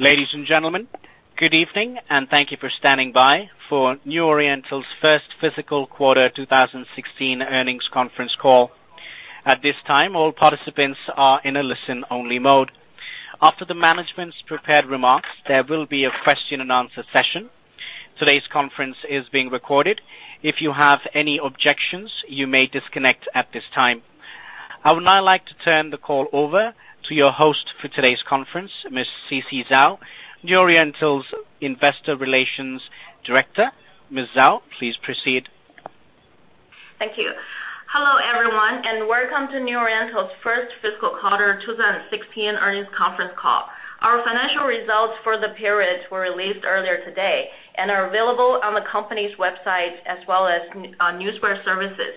Ladies and gentlemen, good evening, and thank you for standing by for New Oriental's first fiscal quarter 2016 earnings conference call. At this time, all participants are in a listen-only mode. After the management's prepared remarks, there will be a question & answer session. Today's conference is being recorded. If you have any objections, you may disconnect at this time. I would now like to turn the call over to your host for today's conference, Ms. Sisi Zhao, New Oriental's Investor Relations Director. Ms. Zhao, please proceed. Thank you. Hello, everyone, and welcome to New Oriental's first fiscal quarter 2016 earnings conference call. Our financial results for the period were released earlier today and are available on the company's website as well as Newswire services.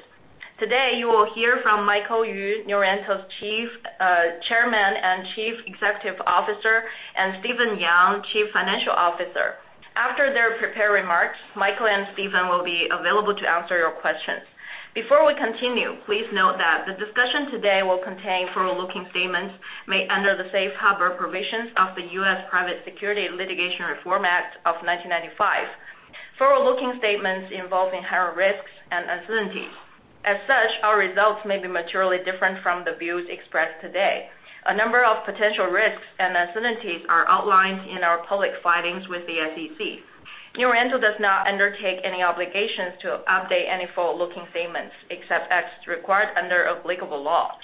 Today, you will hear from Michael Yu, New Oriental's Chairman and Chief Executive Officer, and Stephen Yang, Chief Financial Officer. After their prepared remarks, Michael and Stephen will be available to answer your questions. Before we continue, please note that the discussion today will contain forward-looking statements made under the Safe Harbor Provisions of the U.S. Private Securities Litigation Reform Act of 1995. Forward-looking statements involving higher risks and uncertainties. As such, our results may be materially different from the views expressed today. A number of potential risks and uncertainties are outlined in our public filings with the SEC. New Oriental does not undertake any obligations to update any forward-looking statements except as required under applicable law.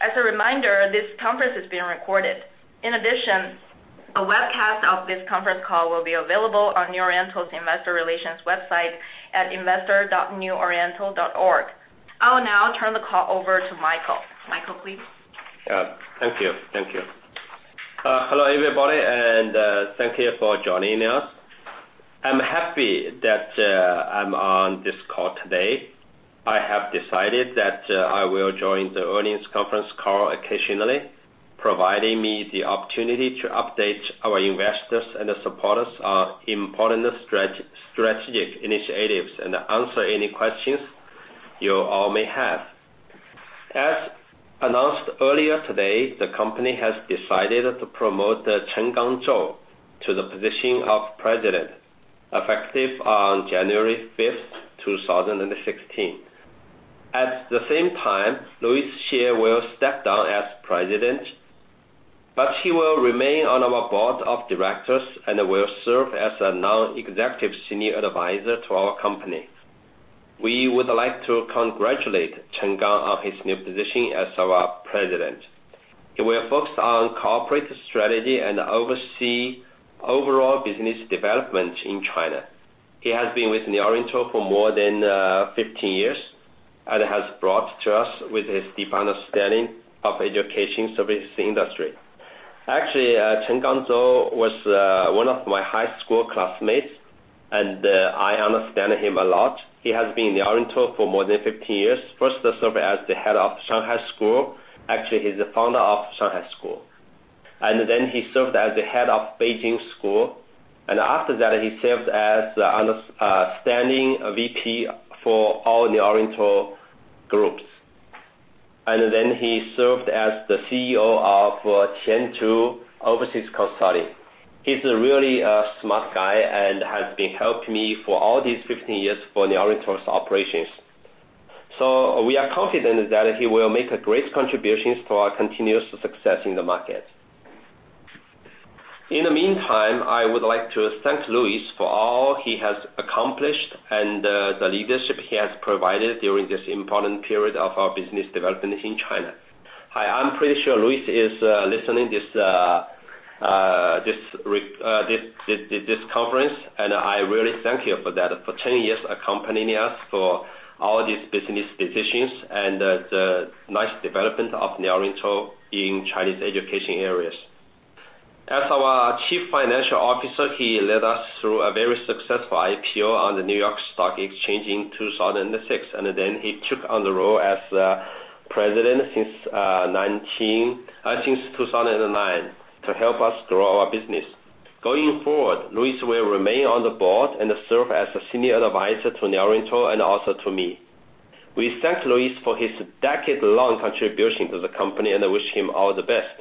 As a reminder, this conference is being recorded. In addition, a webcast of this conference call will be available on New Oriental's investor relations website at investor.neworiental.org. I will now turn the call over to Michael. Michael, please. Thank you. Hello, everybody, and thank you for joining us. I'm happy that I'm on this call today. I have decided that I will join the earnings conference call occasionally, providing me the opportunity to update our investors and the supporters on important strategic initiatives and answer any questions you all may have. As announced earlier today, the company has decided to promote Chenggang Zhou to the position of President, effective on January 5th, 2016. At the same time, Louis Xie will step down as President, but he will remain on our board of directors and will serve as a non-executive senior advisor to our company. We would like to congratulate Chenggang on his new position as our President. He will focus on corporate strategy and oversee overall business development in China. He has been with New Oriental for more than 15 years and has brought to us with his deep understanding of education service industry. Actually, Chenggang Zhou was one of my high school classmates, and I understand him a lot. He has been in New Oriental for more than 15 years. First served as the head of Shanghai School. Actually, he's the founder of Shanghai School. He served as the head of Beijing School. After that, he served as the understanding VP for all New Oriental groups. He served as the CEO of Tianji overseas consulting. He's really a smart guy and has been helping me for all these 15 years for New Oriental's operations. We are confident that he will make great contributions to our continuous success in the market. In the meantime, I would like to thank Louis for all he has accomplished and the leadership he has provided during this important period of our business development in China. I am pretty sure Louis is listening this conference, and I really thank him for that, for 10 years accompanying us for all these business decisions and the nice development of New Oriental in Chinese education areas. As our Chief Financial Officer, he led us through a very successful IPO on the New York Stock Exchange in 2006. He took on the role as President since 2009 to help us grow our business. Going forward, Louis will remain on the board and serve as a senior advisor to New Oriental and also to me. We thank Louis for his decade-long contribution to the company and wish him all the best.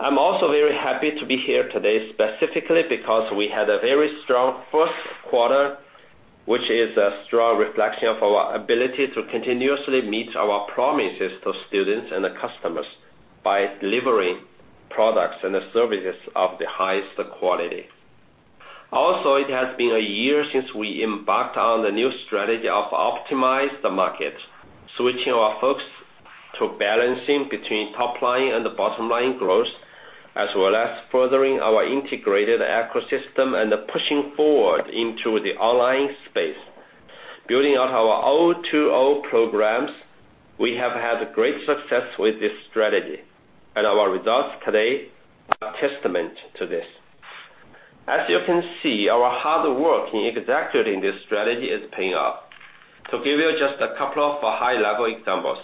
I'm also very happy to be here today specifically because we had a very strong first quarter, which is a strong reflection of our ability to continuously meet our promises to students and the customers by delivering products and services of the highest quality. Also, it has been a year since we embarked on the new strategy of optimize the market, switching our focus to balancing between top line and bottom line growth, as well as furthering our integrated ecosystem and pushing forward into the online space. Building out our O2O programs, we have had great success with this strategy. Our results today are testament to this. You can see, our hard work in executing this strategy is paying off. To give you just a couple of high-level examples,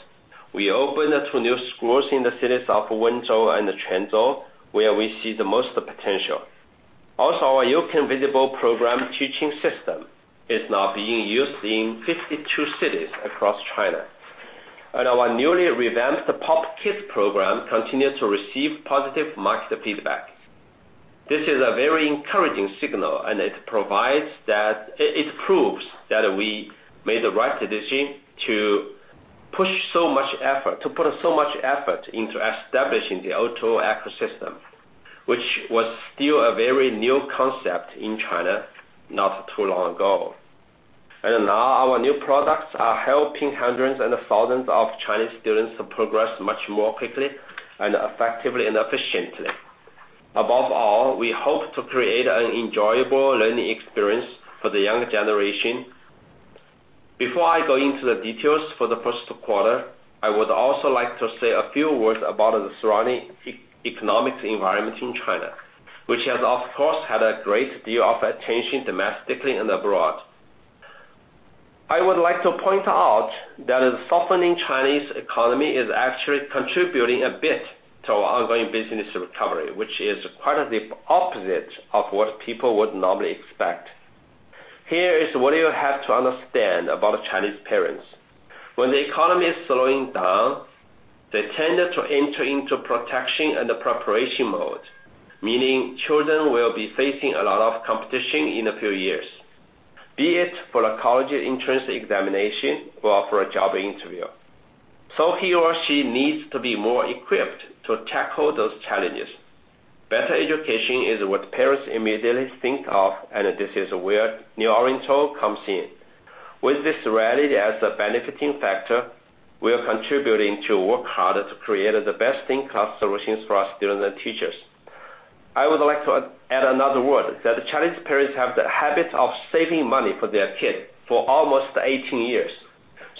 we opened two new schools in the cities of Wenzhou and Quanzhou, where we see the most potential. Our U-Can Visible program teaching system is now being used in 52 cities across China. Our newly revamped Pop Kids program continued to receive positive market feedback. This is a very encouraging signal, and it proves that we made the right decision to put so much effort into establishing the O2O ecosystem, which was still a very new concept in China not too long ago. Now our new products are helping hundreds and thousands of Chinese students to progress much more quickly and effectively and efficiently. Above all, we hope to create an enjoyable learning experience for the younger generation. Before I go into the details for the first quarter, I would also like to say a few words about the surrounding economic environment in China, which has, of course, had a great deal of attention domestically and abroad. I would like to point out that a softening Chinese economy is actually contributing a bit to our ongoing business recovery, which is quite the opposite of what people would normally expect. Here is what you have to understand about Chinese parents. When the economy is slowing down, they tend to enter into protection and preparation mode, meaning children will be facing a lot of competition in a few years, be it for a college entrance examination or for a job interview. He or she needs to be more equipped to tackle those challenges. Better education is what parents immediately think of, and this is where New Oriental comes in. With this reality as a benefiting factor, we are contributing to work harder to create the best-in-class solutions for our students and teachers. I would like to add another word, that Chinese parents have the habit of saving money for their kids for almost 18 years.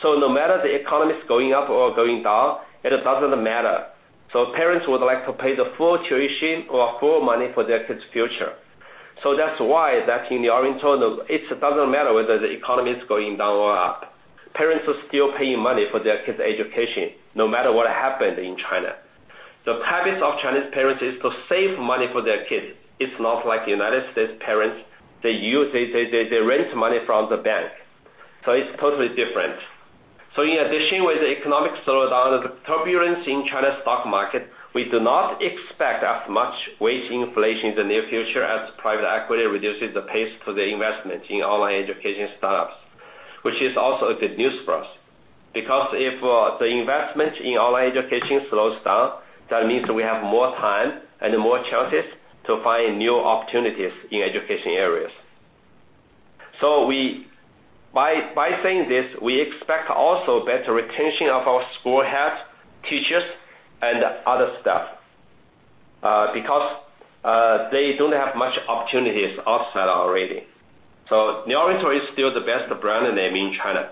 No matter the economy's going up or going down, it doesn't matter. Parents would like to pay the full tuition or full money for their kids' future. That's why that in New Oriental, it doesn't matter whether the economy is going down or up. Parents are still paying money for their kids' education no matter what happens in China. The habits of Chinese parents is to save money for their kids. It's not like United States parents. They raise money from the bank. It's totally different. In addition, with the economic slowdown and the turbulence in China's stock market, we do not expect as much wage inflation in the near future as private equity reduces the pace for the investment in online education startups, which is also a good news for us. If the investment in online education slows down, that means we have more time and more chances to find new opportunities in education areas. By saying this, we expect also better retention of our school heads, teachers, and other staff, because they don't have much opportunities outside already. New Oriental is still the best brand name in China.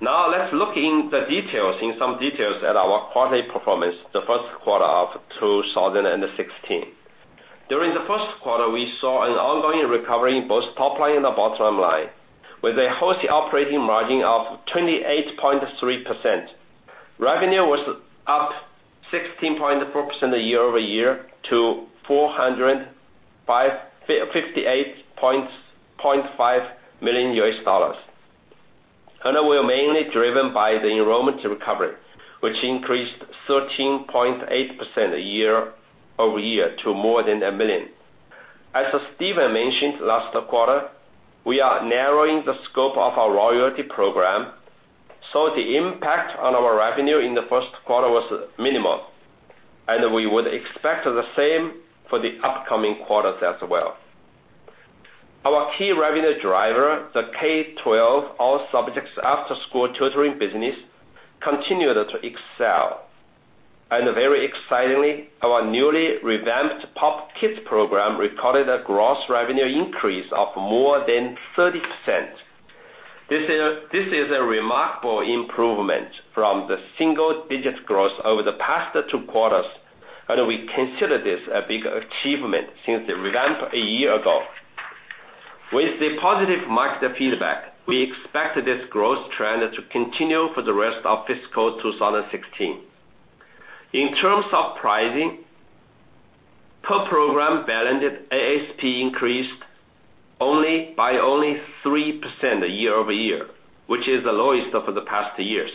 Now let's look in some details at our quarterly performance, the first quarter of 2016. During the first quarter, we saw an ongoing recovery in both top line and the bottom line, with a healthy operating margin of 28.3%. Revenue was up 16.4% year-over-year to $458.5 million. Were mainly driven by the enrollment recovery, which increased 13.8% year-over-year to more than a million. As Stephen mentioned last quarter, we are narrowing the scope of our royalty program, the impact on our revenue in the first quarter was minimal. We would expect the same for the upcoming quarters as well. Our key revenue driver, the K12 all subjects after-school tutoring business, continued to excel. Very excitingly, our newly revamped Pop Kids program recorded a gross revenue increase of more than 30%. This is a remarkable improvement from the single-digit growth over the past two quarters, and we consider this a big achievement since the revamp a year ago. With the positive market feedback, we expect this growth trend to continue for the rest of fiscal 2016. In terms of pricing, per program blended ASP increased by only 3% year-over-year, which is the lowest over the past years.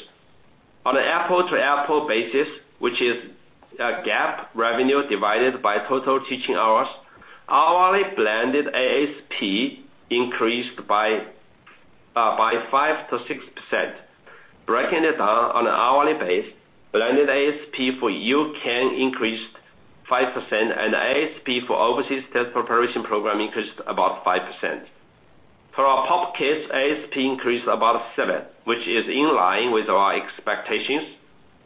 On an apple-to-apple basis, which is GAAP revenue divided by total teaching hours, hourly blended ASP increased by 5%-6%. Breaking it down on an hourly base, blended ASP for U-Can increased 5%, and ASP for overseas test preparation program increased about 5%. For our Pop Kids, ASP increased about 7%, which is in line with our expectations,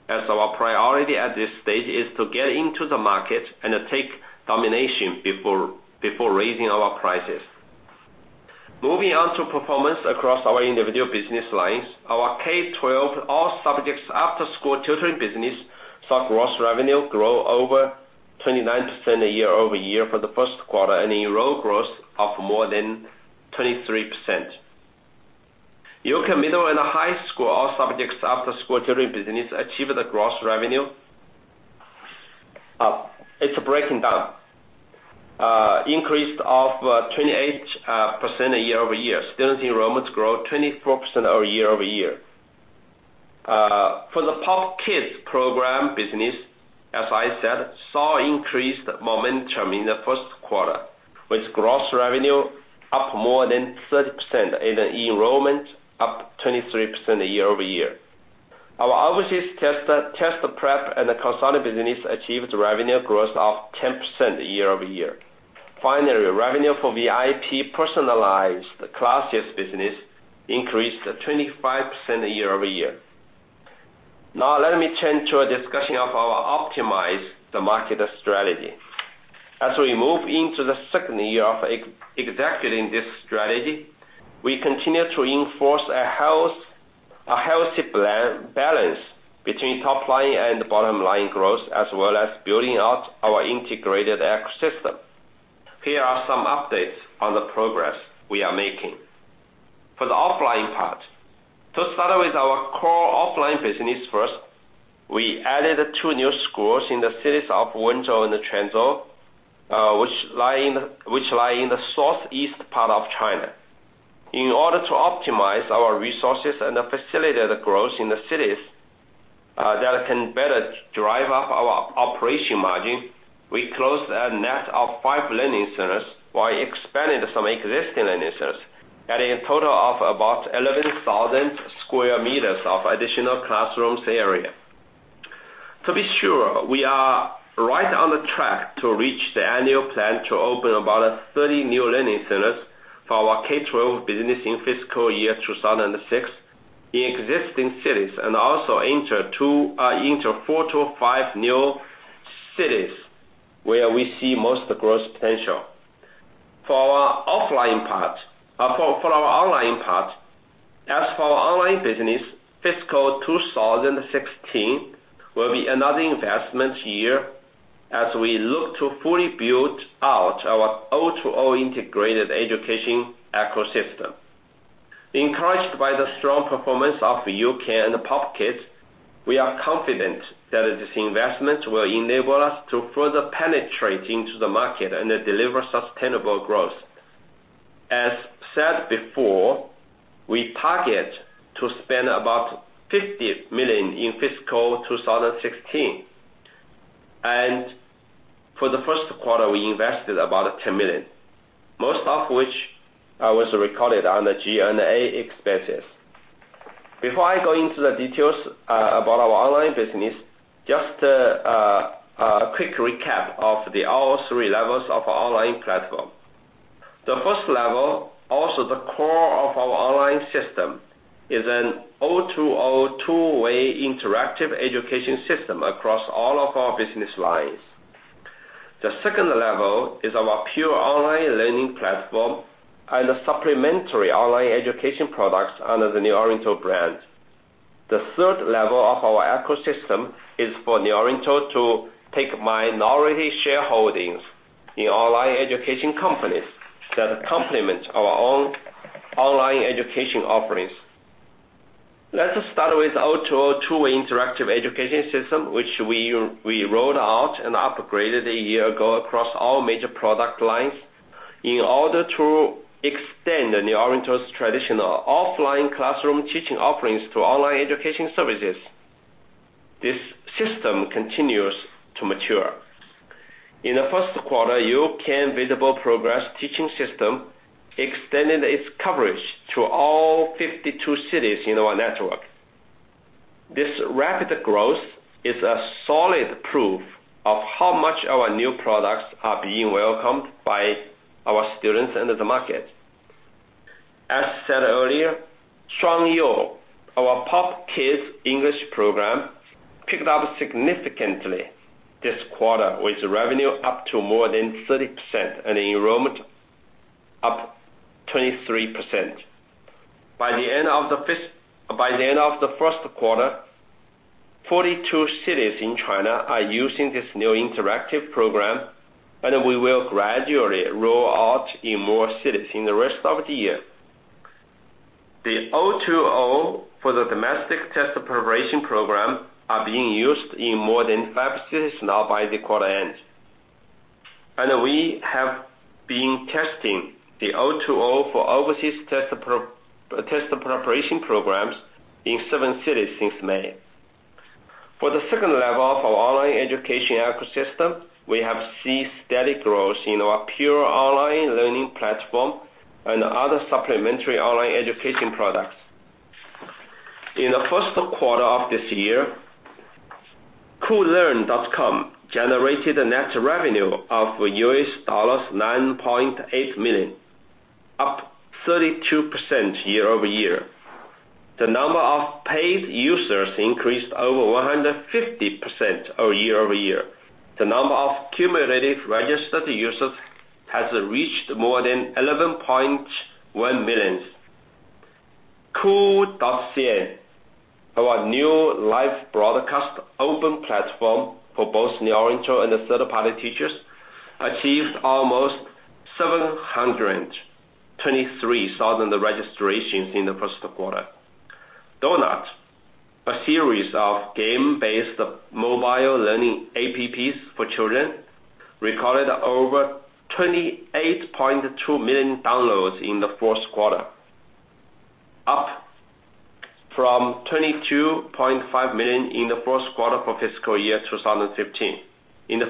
as our priority at this stage is to get into the market and take domination before raising our prices. Moving on to performance across our individual business lines. Our K-12 all subjects after-school tutoring business saw gross revenue grow over 29% year-over-year for the first quarter, and enroll growth of more than 23%. U-Can middle and high school all subjects after-school tutoring business achieved a gross revenue. Increase of 28% year-over-year. Student enrollments growth 24% year-over-year. For the Pop Kids program business, as I said, saw increased momentum in the first quarter, with gross revenue up more than 30% and enrollment up 23% year-over-year. Our overseas test prep and consulting business achieved revenue growth of 10% year-over-year. Finally, revenue for VIP personalized classes business increased 25% year-over-year. Now let me turn to a discussion of our optimized market strategy. As we move into the second year of executing this strategy, we continue to enforce a healthy balance between top line and bottom line growth, as well as building out our integrated ecosystem. Here are some updates on the progress we are making. For the offline part, to start with our core offline business first, we added two new schools in the cities of Wenzhou and Quanzhou, which lie in the southeast part of China. In order to optimize our resources and facilitate growth in the cities that can better drive up our operation margin, we closed a net of five learning centers while expanding some existing learning centers, adding a total of about 11,000 sq m of additional classrooms area. To be sure, we are right on the track to reach the annual plan to open about 30 new learning centers for our K-12 business in fiscal year 2016 in existing cities, and also enter four to five new cities where we see most growth potential. For our online part, as for our online business, fiscal 2016 will be another investment year as we look to fully build out our O2O integrated education ecosystem. Encouraged by the strong performance of U-Can and Pop Kids, we are confident that this investment will enable us to further penetrate into the market and deliver sustainable growth. As said before, we target to spend about $50 million in fiscal 2016. For the first quarter, we invested about $10 million, most of which was recorded on the G&A expenses. Before I go into the details about our online business, just a quick recap of the all 3 levels of our online platform. The 1st level, also the core of our online system, is an O2O two-way interactive education system across all of our business lines. The 2nd level is our pure online learning platform and supplementary online education products under the New Oriental brand. The 3rd level of our ecosystem is for New Oriental to take minority shareholdings in online education companies that complement our own online education offerings. Let us start with O2O two-way interactive education system, which we rolled out and upgraded a year ago across all major product lines in order to extend New Oriental's traditional offline classroom teaching offerings to online education services. This system continues to mature. In the first quarter, U-Can Visible Progress teaching system extended its coverage to all 52 cities in our network. This rapid growth is a solid proof of how much our new products are being welcomed by our students and the market. As said earlier, Shuangyu, our Pop Kids English program, picked up significantly this quarter with revenue up to more than 30% and enrollment up 23%. By the end of the first quarter, 42 cities in China are using this new interactive program, and we will gradually roll out in more cities in the rest of the year. The O2O for the domestic test preparation program are being used in more than five cities now by the quarter end. We have been testing the O2O for overseas test preparation programs in seven cities since May. For the second level of our online education ecosystem, we have seen steady growth in our pure online learning platform and other supplementary online education products. In the first quarter of this year, Koolearn.com generated a net revenue of $9.8 million, up 32% year-over-year. The number of paid users increased over 150% year-over-year. The number of cumulative registered users has reached more than 11.1 million. Koo.cn, our new live broadcast open platform for both New Oriental and third-party teachers, achieved almost 723,000 registrations in the first quarter. Donut, a series of game-based mobile learning apps for children, recorded over 28.2 million downloads in the fourth quarter, up from 22.5 million in the first quarter for fiscal year 2015. Le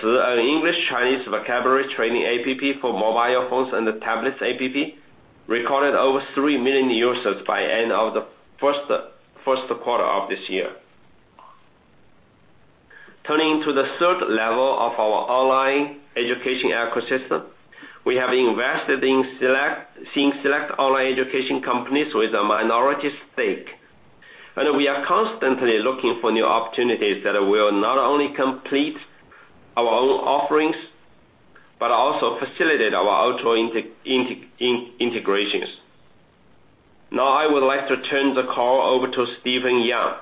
Ci is an English-Chinese vocabulary training app for mobile phones and tablets. The app recorded over 3 million users by the end of the first quarter of this year. Turning to the third level of our online education ecosystem, we have invested in seeing select online education companies with a minority stake, and we are constantly looking for new opportunities that will not only complete our own offerings but also facilitate our O2O integrations. I would like to turn the call over to Stephen Yang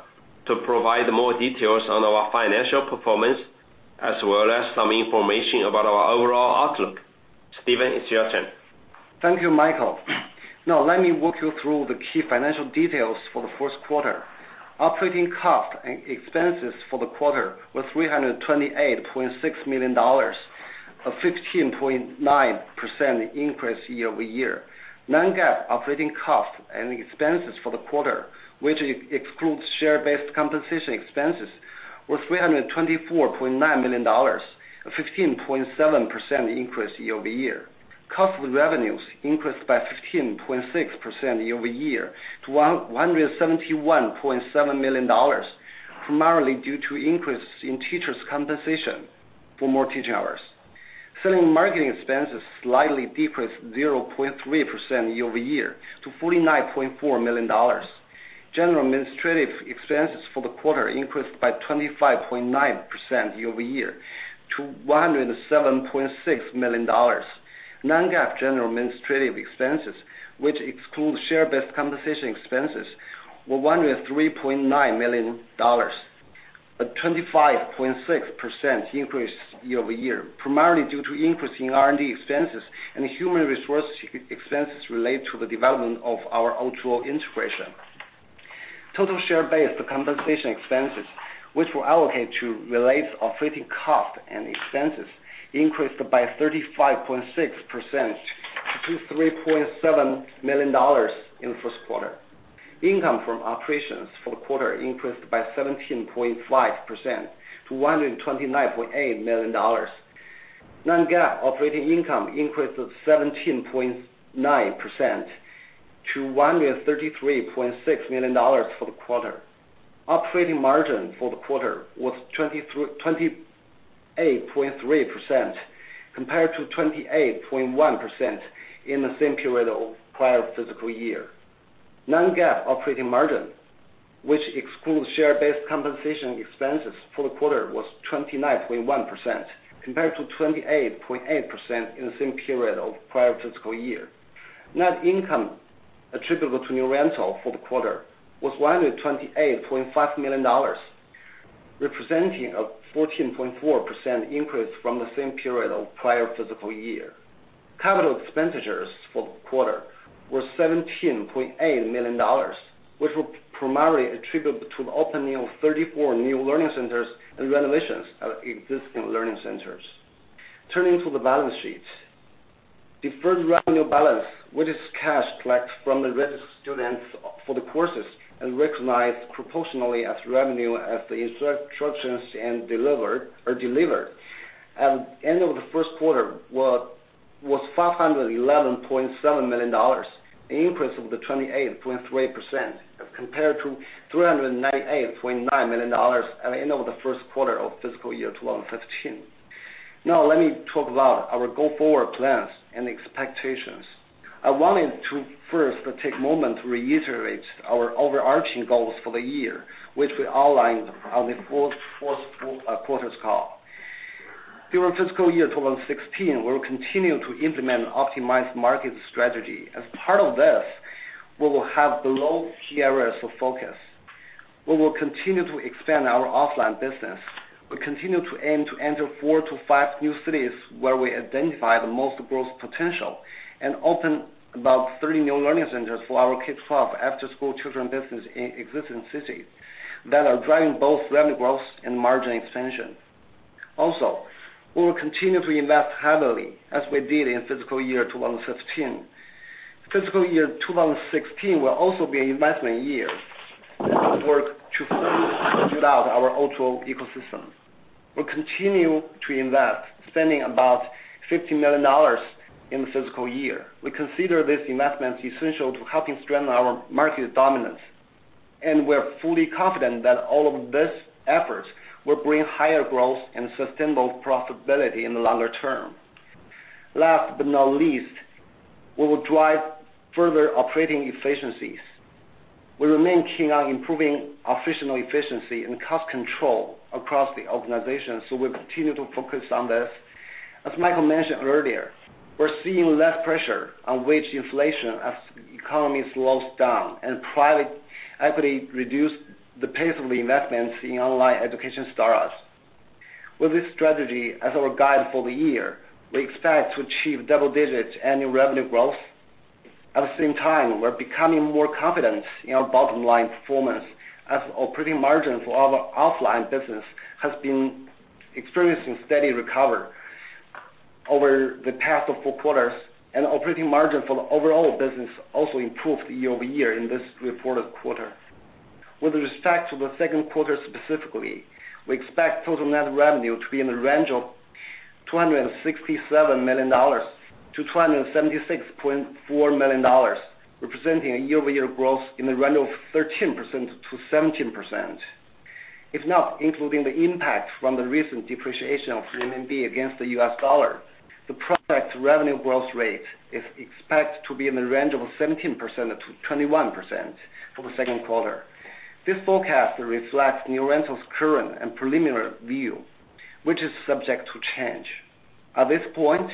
to provide more details on our financial performance, as well as some information about our overall outlook. Stephen, it's your turn. Thank you, Michael Yu. Let me walk you through the key financial details for the first quarter. Operating costs and expenses for the quarter were $328.6 million, a 15.9% increase year-over-year. Non-GAAP operating costs and expenses for the quarter, which excludes share-based compensation expenses, were $324.9 million, a 15.7% increase year-over-year. Cost of revenues increased by 15.6% year-over-year to $171.7 million, primarily due to an increase in teachers' compensation for more teaching hours. Selling and marketing expenses slightly decreased 0.3% year-over-year to $49.4 million. General administrative expenses for the quarter increased by 25.9% year-over-year to $107.6 million. Non-GAAP general administrative expenses, which excludes share-based compensation expenses, were $103.9 million, a 25.6% increase year-over-year, primarily due to an increase in R&D expenses and human resource expenses related to the development of our O2O integration. Total share-based compensation expenses, which were allocated to related operating costs and expenses, increased by 35.6% to $3.7 million in the first quarter. Income from operations for the quarter increased by 17.5% to $129.8 million. Non-GAAP operating income increased to 17.9% to $133.6 million for the quarter. Operating margin for the quarter was 28.3%, compared to 28.1% in the same period of the prior fiscal year. Non-GAAP operating margin, which excludes share-based compensation expenses for the quarter, was 29.1%, compared to 28.8% in the same period of the prior fiscal year. Net income attributable to New Oriental for the quarter was $128.5 million, representing a 14.4% increase from the same period of the prior fiscal year. Capital expenditures for the quarter were $17.8 million, which were primarily attributed to the opening of 34 new learning centers and renovations of existing learning centers. Turning to the balance sheet. Deferred revenue balance, which is cash collected from the registered students for the courses and recognized proportionally as revenue as the instructions are delivered, at the end of the first quarter was $511.7 million, an increase of 28.3% as compared to $398.9 million at the end of the first quarter of fiscal year 2015. Let me talk about our go-forward plans and expectations. I wanted to first take a moment to reiterate our overarching goals for the year, which we outlined on the fourth quarter's call. During fiscal year 2016, we will continue to implement and optimize market strategy. As part of this, we will have the below key areas of focus. We will continue to expand our offline business. We continue to aim to enter four to five new cities where we identify the most growth potential, and open about 30 new learning centers for our K-12 after-school children business in existing cities that are driving both revenue growth and margin expansion. We will continue to invest heavily as we did in fiscal year 2015. Fiscal year 2016 will also be an investment year as we work to fully build out our O2O ecosystem. We'll continue to invest, spending about $50 million in the fiscal year. We consider this investment essential to helping strengthen our market dominance, and we're fully confident that all of these efforts will bring higher growth and sustainable profitability in the longer term. Last but not least, we will drive further operating efficiencies. We remain keen on improving operational efficiency and cost control across the organization, we'll continue to focus on this. As Michael mentioned earlier, we're seeing less pressure on wage inflation as the economy slows down and private equity reduces the pace of investments in online education startups. With this strategy as our guide for the year, we expect to achieve double-digit annual revenue growth. At the same time, we're becoming more confident in our bottom line performance as operating margin for our offline business has been experiencing steady recovery over the past four quarters, and operating margin for the overall business also improved year-over-year in this reported quarter. With respect to the second quarter specifically, we expect total net revenue to be in the range of $267 million-$276.4 million, representing a year-over-year growth in the range of 13%-17%. If not including the impact from the recent depreciation of the RMB against the US dollar, the product revenue growth rate is expected to be in the range of 17%-21% for the second quarter. This forecast reflects New Oriental's current and preliminary view, which is subject to change. At this point,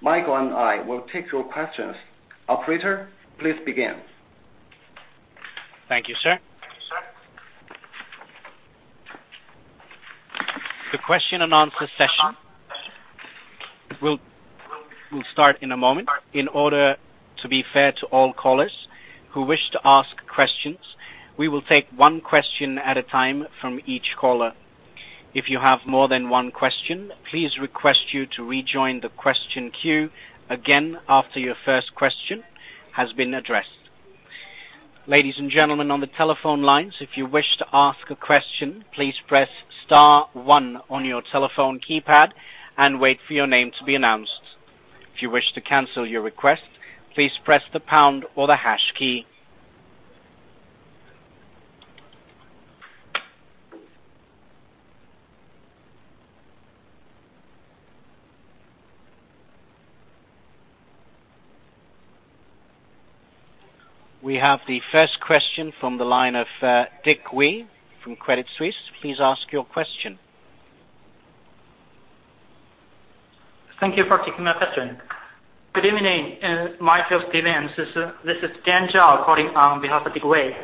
Michael and I will take your questions. Operator, please begin. Thank you, sir. The question and answer session will start in a moment. In order to be fair to all callers who wish to ask questions, we will take one question at a time from each caller. If you have more than one question, please request you to rejoin the question queue again after your first question has been addressed. Ladies and gentlemen, on the telephone lines, if you wish to ask a question, please press star one on your telephone keypad and wait for your name to be announced. If you wish to cancel your request, please press the pound or the hash key. We have the first question from the line of Dick Wei from Credit Suisse. Please ask your question. Thank you for taking my question. Good evening, Michael, Stephen and Sisi. This is Dan Zhao calling on behalf of Dick Wei.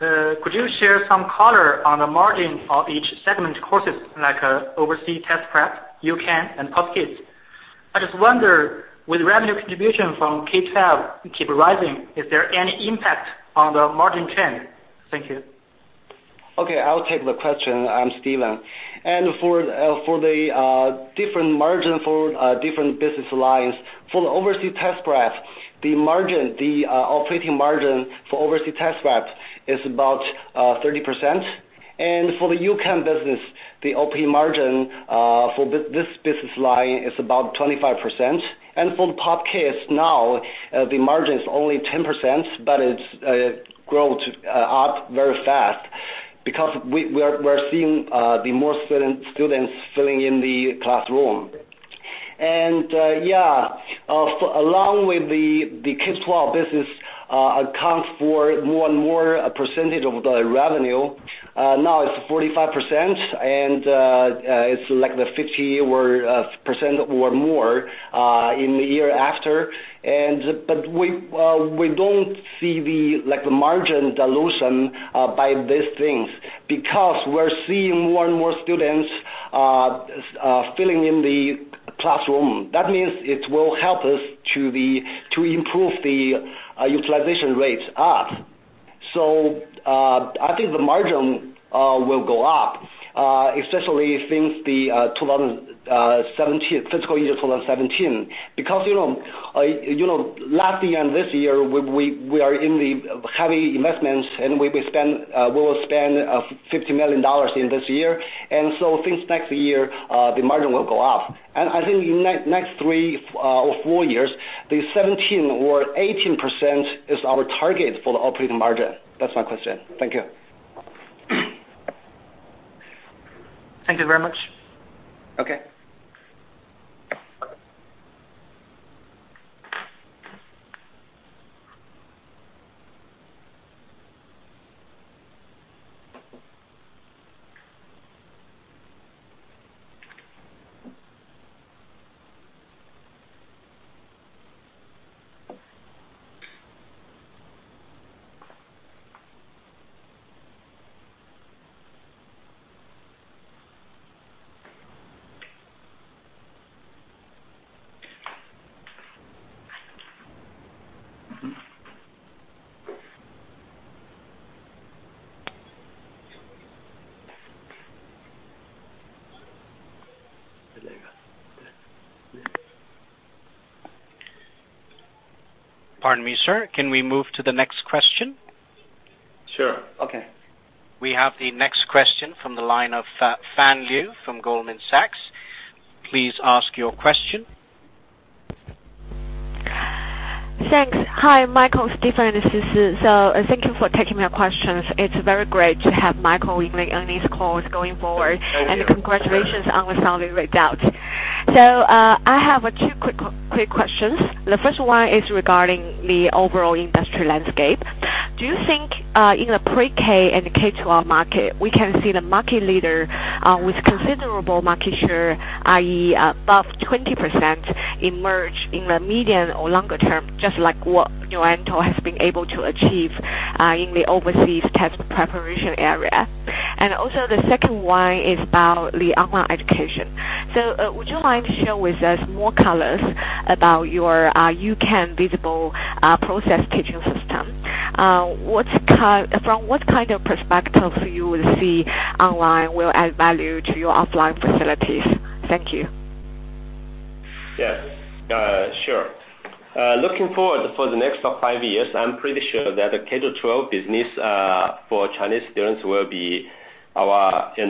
Could you share some color on the margin of each segment courses, like Overseas Test Prep, U-Can, and Pop Kids? I just wonder, with revenue contribution from K12 keep rising, is there any impact on the margin trend? Thank you. Okay, I'll take the question. I'm Stephen. For the different margin for different business lines, for the Overseas Test Prep, the operating margin for Overseas Test Prep is about 30%. For the U-Can business, the OP margin for this business line is about 25%. For the Pop Kids, now the margin is only 10%, but it's grown up very fast because we're seeing the more students filling in the classroom. Yeah, along with the K12 business account for more and more percentage of the revenue, now it's 45%, and it's like the 50% or more in the year after. We don't see the margin dilution by these things, because we're seeing more and more students filling in the classroom. That means it will help us to improve the utilization rates up. I think the margin will go up, especially since the fiscal year 2017. Last year and this year, we are in the heavy investments, we will spend $50 million in this year. Since next year, the margin will go up. I think in the next three or four years, the 17% or 18% is our target for the operating margin. That's my answer. Thank you. Thank you very much. Okay. Pardon me, sir. Can we move to the next question? Sure. Okay. We have the next question from the line of Fan Liu from Goldman Sachs. Please ask your question. Thanks. Hi, Michael, Stephen. Thank you for taking my questions. It's very great to have Michael on these calls going forward. Oh, yeah. Congratulations on the solid results. I have two quick questions. The first one is regarding the overall industry landscape? Do you think in the pre-K and K-12 market, we can see the market leader with considerable market share, i.e., above 20%, emerge in the medium or longer term, just like what New Oriental has been able to achieve in the overseas test preparation area? The second one is about the online education. Would you like to share with us more colors about your U-Can visible progress teaching system? From what kind of perspective you would see online will add value to your offline facilities? Thank you. Yes. Sure. Looking forward for the next five years, I'm pretty sure that the K-12 business for Chinese students will be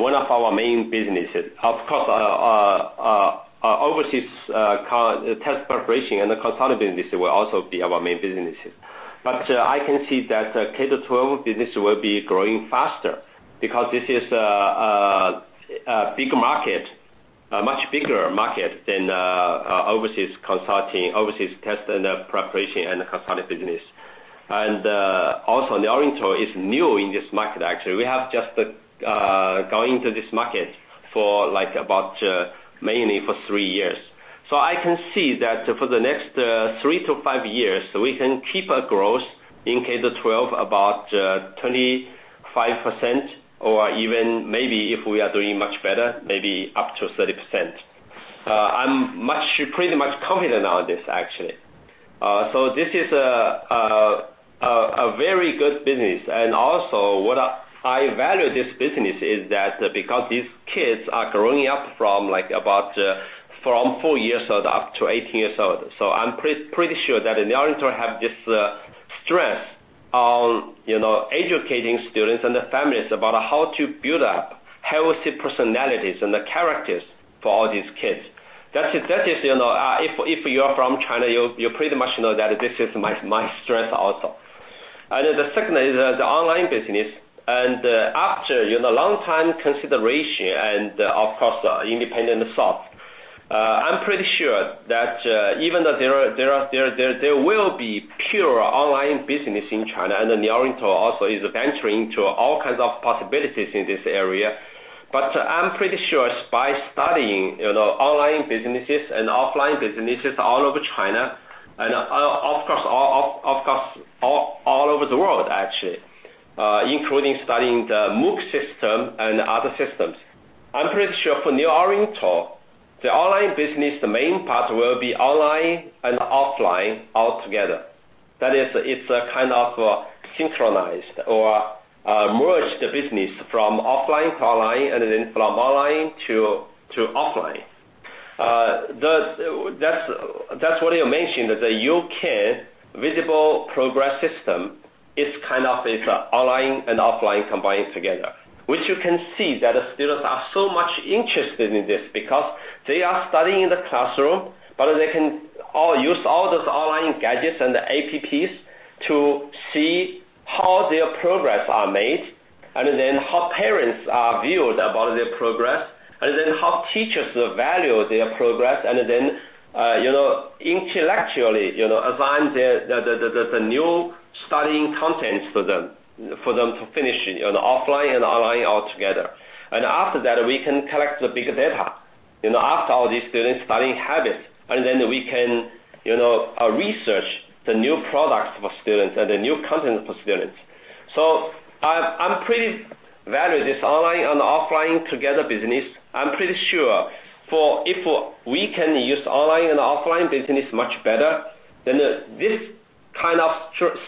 one of our main businesses. Of course, our overseas test preparation and the consulting business will also be our main businesses. I can see that the K-12 business will be growing faster because this is a much bigger market than overseas consulting, overseas test and preparation, and the consulting business. Also New Oriental is new in this market, actually. We have just gone into this market for, mainly for three years. I can see that for the next three to five years, we can keep a growth in K-12, about 25% or even maybe if we are doing much better, maybe up to 30%. I'm pretty much confident on this, actually. This is a very good business. Also, why I value this business is that because these kids are growing up from four years old up to 18 years old. I'm pretty sure that New Oriental have this stress on educating students and the families about how to build up healthy personalities and the characters for all these kids. If you are from China, you pretty much know that this is my stress also. The second is the online business. After long time consideration and of course, independent thought, I'm pretty sure that even though there will be pure online business in China, and New Oriental also is venturing into all kinds of possibilities in this area. I'm pretty sure by studying online businesses and offline businesses all over China and of course, all over the world, actually, including studying the MOOC system and other systems. I'm pretty sure for New Oriental, the online business, the main part will be online and offline altogether. That is, it's a kind of synchronized or merged business from offline to online, and then from online to offline. That's what you mentioned, that the U-Can visible progress system is kind of online and offline combined together, which you can see that students are so much interested in this because they are studying in the classroom, but they can use all those online gadgets and the apps to see how their progress are made, and then how parents are viewed about their progress, and then how teachers value their progress, and then intellectually assign the new studying contents for them to finish, offline and online altogether. After that, we can collect the big data. After all these students' studying habits, then we can research the new products for students and the new content for students. I value this online and offline together business. I'm pretty sure if we can use online and offline business much better, then this kind of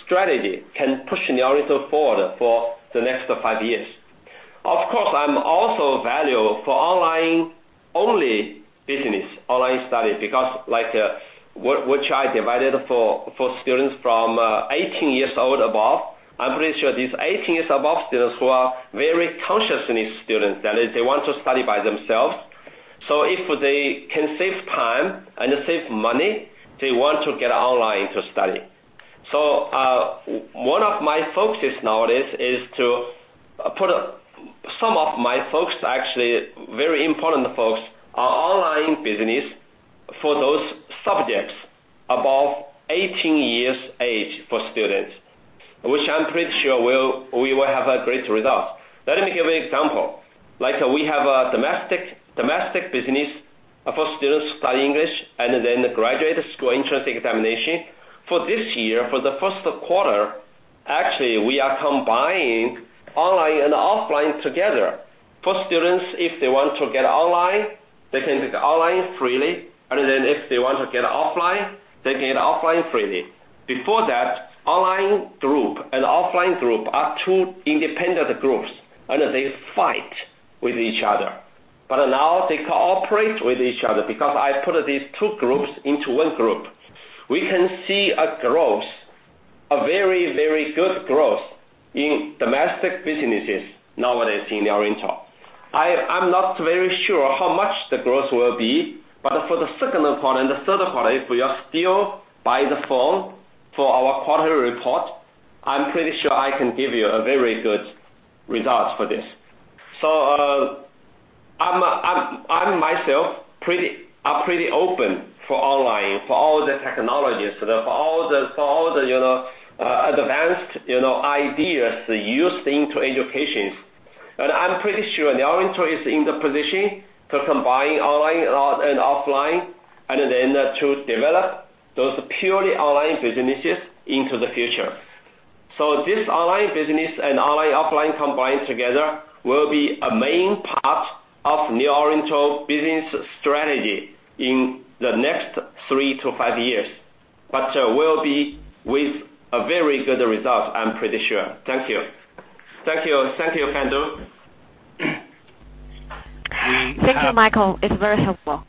strategy can push New Oriental forward for the next five years. Of course, I also value for online-only business, online study, because which I divided for students from 18 years old above. I'm pretty sure these 18 years above students who are very conscious in these students, that is, they want to study by themselves. If they can save time and save money, they want to get online to study. One of my focuses nowadays is to put some of my focus, actually, very important focus on online business for those subjects above 18 years age for students, which I'm pretty sure we will have a great result. Let me give you an example. We have a domestic business for students to study English, and then graduate school entrance examination. For this year, for the first quarter, actually, we are combining online and offline together. For students, if they want to get online, they can get online freely, and then if they want to get offline, they can get offline freely. Before that, online group and offline group are two independent groups, and they fight with each other. Now they cooperate with each other because I put these two groups into one group. We can see a growth, a very good growth in domestic businesses nowadays in New Oriental. I'm not very sure how much the growth will be, but for the second quarter and the third quarter, if you are still by the phone for our quarterly report, I'm pretty sure I can give you a very good result for this. I myself are pretty open for online, for all the technologies, for all the advanced ideas used into education. I'm pretty sure New Oriental is in the position to combine online and offline, and then to develop those purely online businesses into the future. This online business and online, offline combined together will be a main part of New Oriental business strategy in the next three to five years, but will be with a very good result, I'm pretty sure. Thank you. Thank you, Fan Liu. Thank you, Michael. It's very helpful.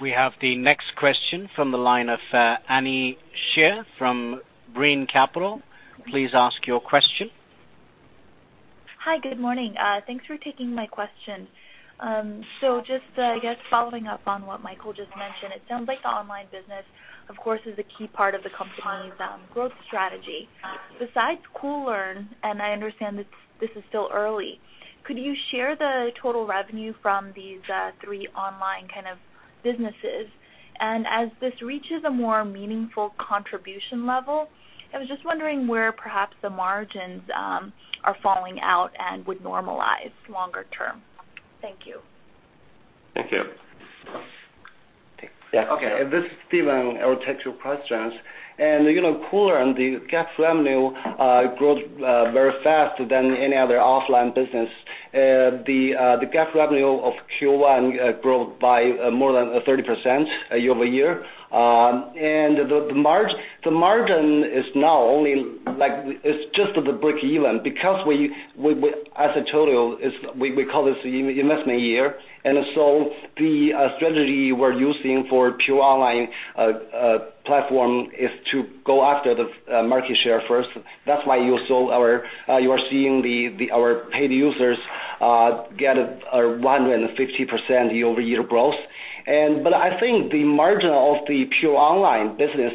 We have the next question from the line of Annie Xie from Brean Capital. Please ask your question. Hi, good morning. Thanks for taking my question. Just, I guess following up on what Michael just mentioned, it sounds like the online business, of course, is a key part of the company's growth strategy. Besides Koolearn, I understand this is still early, could you share the total revenue from these three online kind of businesses? As this reaches a more meaningful contribution level, I was just wondering where perhaps the margins are falling out and would normalize longer term. Thank you. Thank you. Okay. Okay, this is Stephen. I will take your questions. Koolearn, the GAAP revenue grows very faster than any other offline business. The GAAP revenue of Q1 growth by more than 30% year-over-year. The margin is now only like, it's just the break-even because as I told you, we call this the investment year. So the strategy we're using for pure online platform is to go after the market share first. That's why you are seeing our paid users get 150% year-over-year growth. I think the margin of the pure online business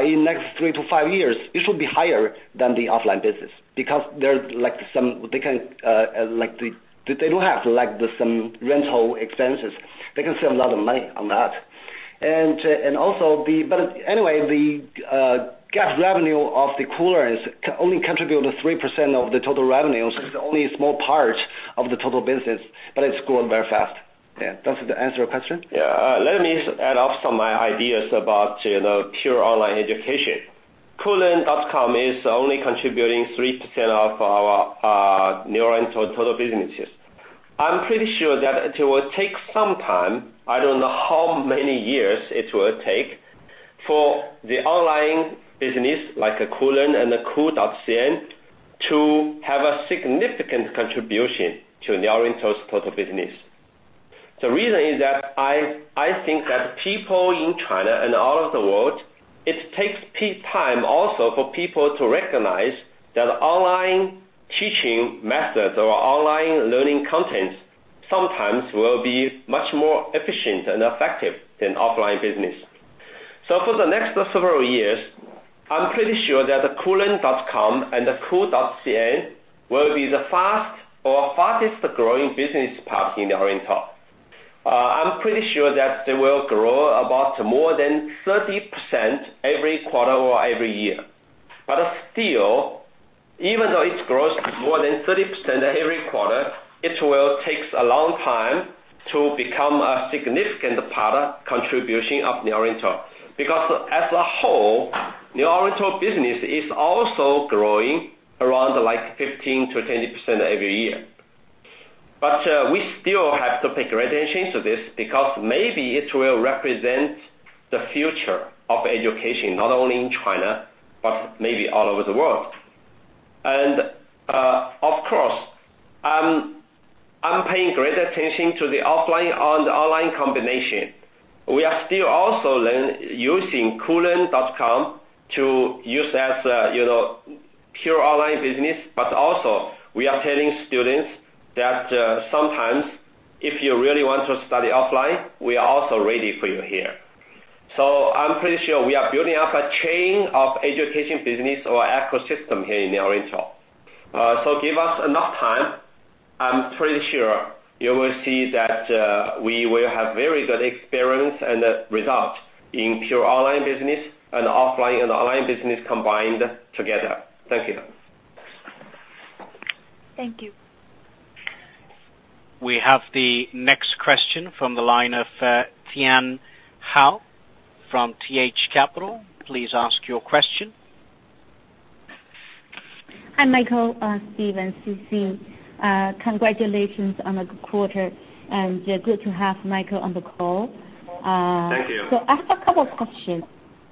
in next three to five years, it should be higher than the offline business because they don't have some rental expenses. They can save a lot of money on that. Anyway, the GAAP revenue of the Koolearn only contribute to 3% of the total revenues. It's only a small part of the total business, but it's growing very fast. Yeah. Does it answer your question? Yeah. Let me add up some of my ideas about pure online education. koolearn.com is only contributing 3% of our New Oriental total businesses. I'm pretty sure that it will take some time, I don't know how many years it will take, for the online business like Koolearn and the koo.cn to have a significant contribution to New Oriental's total business. The reason is that I think that people in China and all over the world, it takes peak time also for people to recognize that online teaching methods or online learning contents sometimes will be much more efficient and effective than offline business. For the next several years, I'm pretty sure that the koolearn.com and the koo.cn will be the fast or fastest-growing business part in New Oriental. I'm pretty sure that they will grow about more than 30% every quarter or every year. Still, even though it grows more than 30% every quarter, it will take a long time to become a significant part contribution of New Oriental because as a whole, New Oriental business is also growing around 15%-20% every year. We still have to pay great attention to this because maybe it will represent the future of education, not only in China, but maybe all over the world. Of course, I'm paying great attention to the offline and online combination. We are still also using koolearn.com to use as a pure online business. Also we are telling students that sometimes if you really want to study offline, we are also ready for you here. I'm pretty sure we are building up a chain of education business or ecosystem here in New Oriental. Give us enough time, I'm pretty sure you will see that we will have very good experience and result in pure online business and offline and online business combined together. Thank you. Thank you. We have the next question from the line of Tian Hou from T.H. Capital. Please ask your question. Hi, Michael, Steven, Sisi Zhao. Congratulations on a good quarter, and good to have Michael on the call. Thank you. I have a couple questions.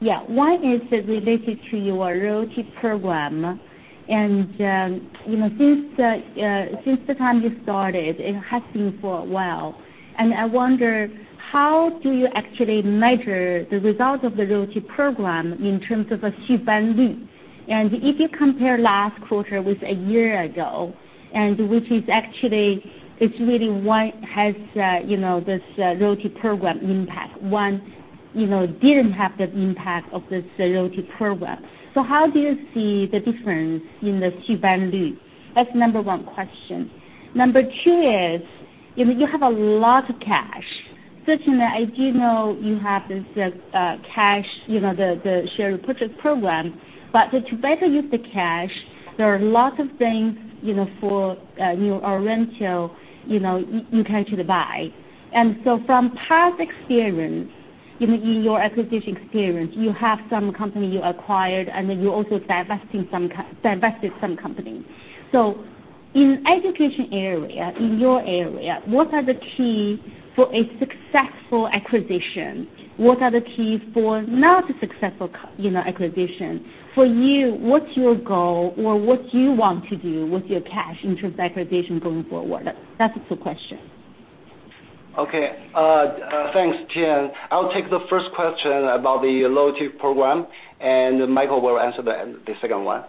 One is related to your royalty program. Since the time you started, it has been for a while, and I wonder how do you actually measure the result of the royalty program in terms of. If you compare last quarter with a year ago, which is actually, it is really one has this royalty program impact, one didn't have the impact of this royalty program. How do you see the difference in the? That is number 1 question. Number 2 is, you have a lot of cash. I do know you have this cash, the share purchase program, to better use the cash, there are lots of things for New Oriental you can actually buy. From past experience, in your acquisition experience, you have some company you acquired, and then you also divested some company. In education area, in your area, what are the key for a successful acquisition? What are the key for not a successful acquisition? For you, what is your goal, or what do you want to do with your cash in terms of acquisition going forward? That is the question. Okay. Thanks, Tian. I will take the first question about the loyalty program, and Michael will answer the second one.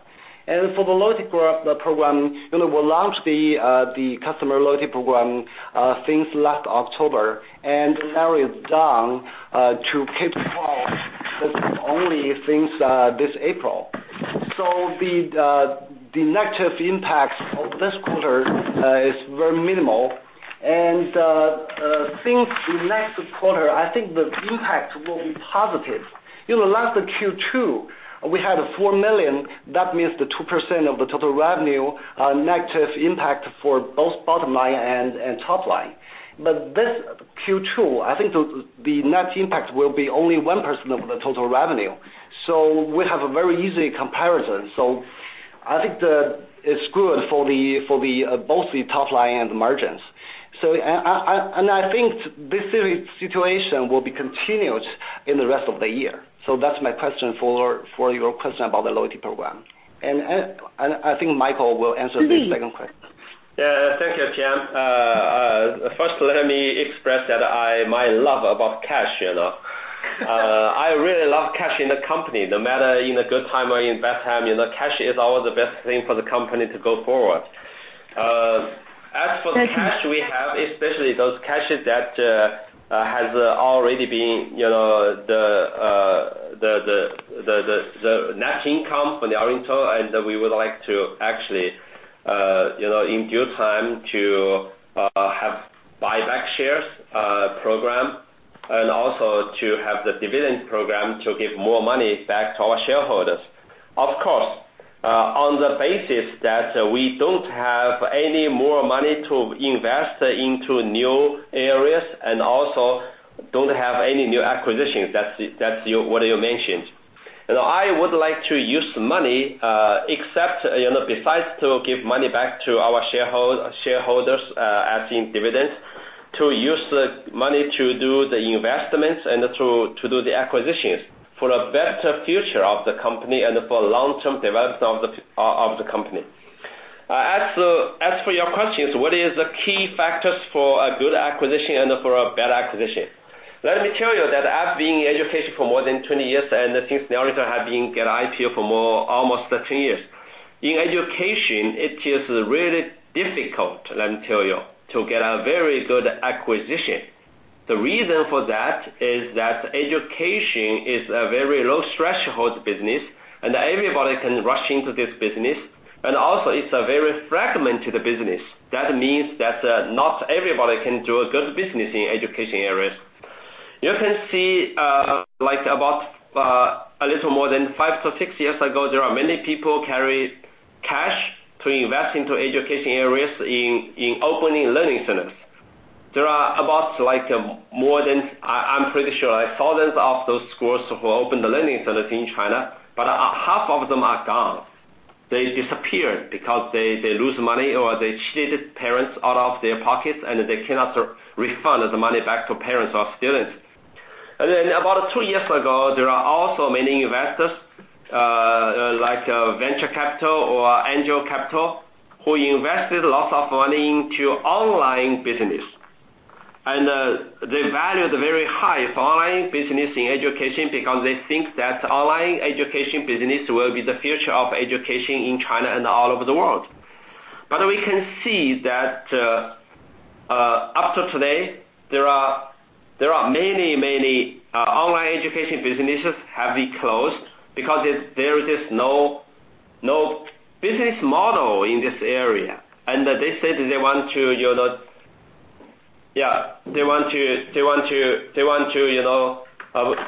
For the loyalty program, we launched the customer loyalty program since last October, and narrowed it down to K-12 only since this April. The negative impact of this quarter is very minimal, and since the next quarter, I think the impact will be positive. In the last Q2, we had $4 million, that means the 2% of the total revenue, negative impact for both bottom line and top line. This Q2, I think the net impact will be only 1% of the total revenue. We have a very easy comparison. I think that it is good for both the top line and the margins. I think this situation will be continued in the rest of the year. That is my answer for your question about the loyalty program. I think Michael will answer the second question. Please. Thank you, Tian. First let me express my love about cash. I really love cash in the company, no matter in a good time or in bad time, cash is always the best thing for the company to go forward. As for the cash we have, especially those cashes that has already been the net income for New Oriental, we would like to actually, in due time to have buyback shares program. Also to have the dividend program to give more money back to our shareholders. Of course, on the basis that we don't have any more money to invest into new areas, also don't have any new acquisitions, that's what you mentioned. I would like to use the money, except, besides to give money back to our shareholders as in dividends, to use the money to do the investments and to do the acquisitions for a better future of the company and for long-term development of the company. As for your questions, what is the key factors for a good acquisition and for a bad acquisition? Let me tell you that I've been in education for more than 20 years, since New Oriental have been get IPO for almost 13 years. In education, it is really difficult, let me tell you, to get a very good acquisition. The reason for that is that education is a very low-threshold business, everybody can rush into this business, also it's a very fragmented business. That means that not everybody can do a good business in education areas. You can see, like about a little more than 5 to 6 years ago, there are many people carry cash to invest into education areas in opening learning centers. There are about more than, I'm pretty sure, thousands of those schools who opened the learning centers in China, half of them are gone. They disappeared because they lose money, or they cheated parents out of their pockets, they cannot refund the money back to parents or students. About two years ago, there are also many investors, like venture capital or angel capital, who invested lots of money into online business. They value the very high for online business in education because they think that online education business will be the future of education in China and all over the world. We can see that up to today, there are many, many online education businesses have been closed because there is just no business model in this area. They said they want to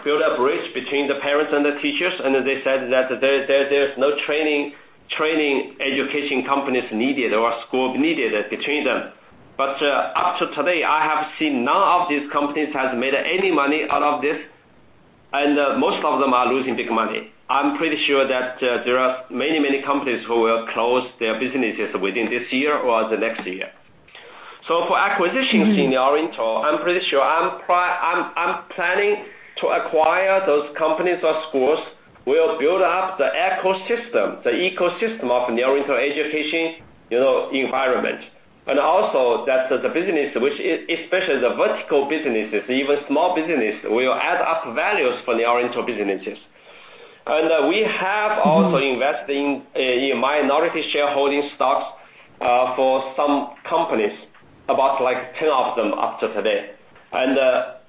build a bridge between the parents and the teachers, they said that there's no training education companies needed or school needed between them. Up to today, I have seen none of these companies has made any money out of this, most of them are losing big money. I'm pretty sure that there are many, many companies who will close their businesses within this year or the next year. For acquisitions in New Oriental, I'm pretty sure, I'm planning to acquire those companies or schools will build up the ecosystem, the ecosystem of New Oriental education environment. Also that the business, which especially the vertical businesses, even small business, will add up values for New Oriental businesses. We have also invested in minority shareholding stocks for some companies. About 10 of them up to today.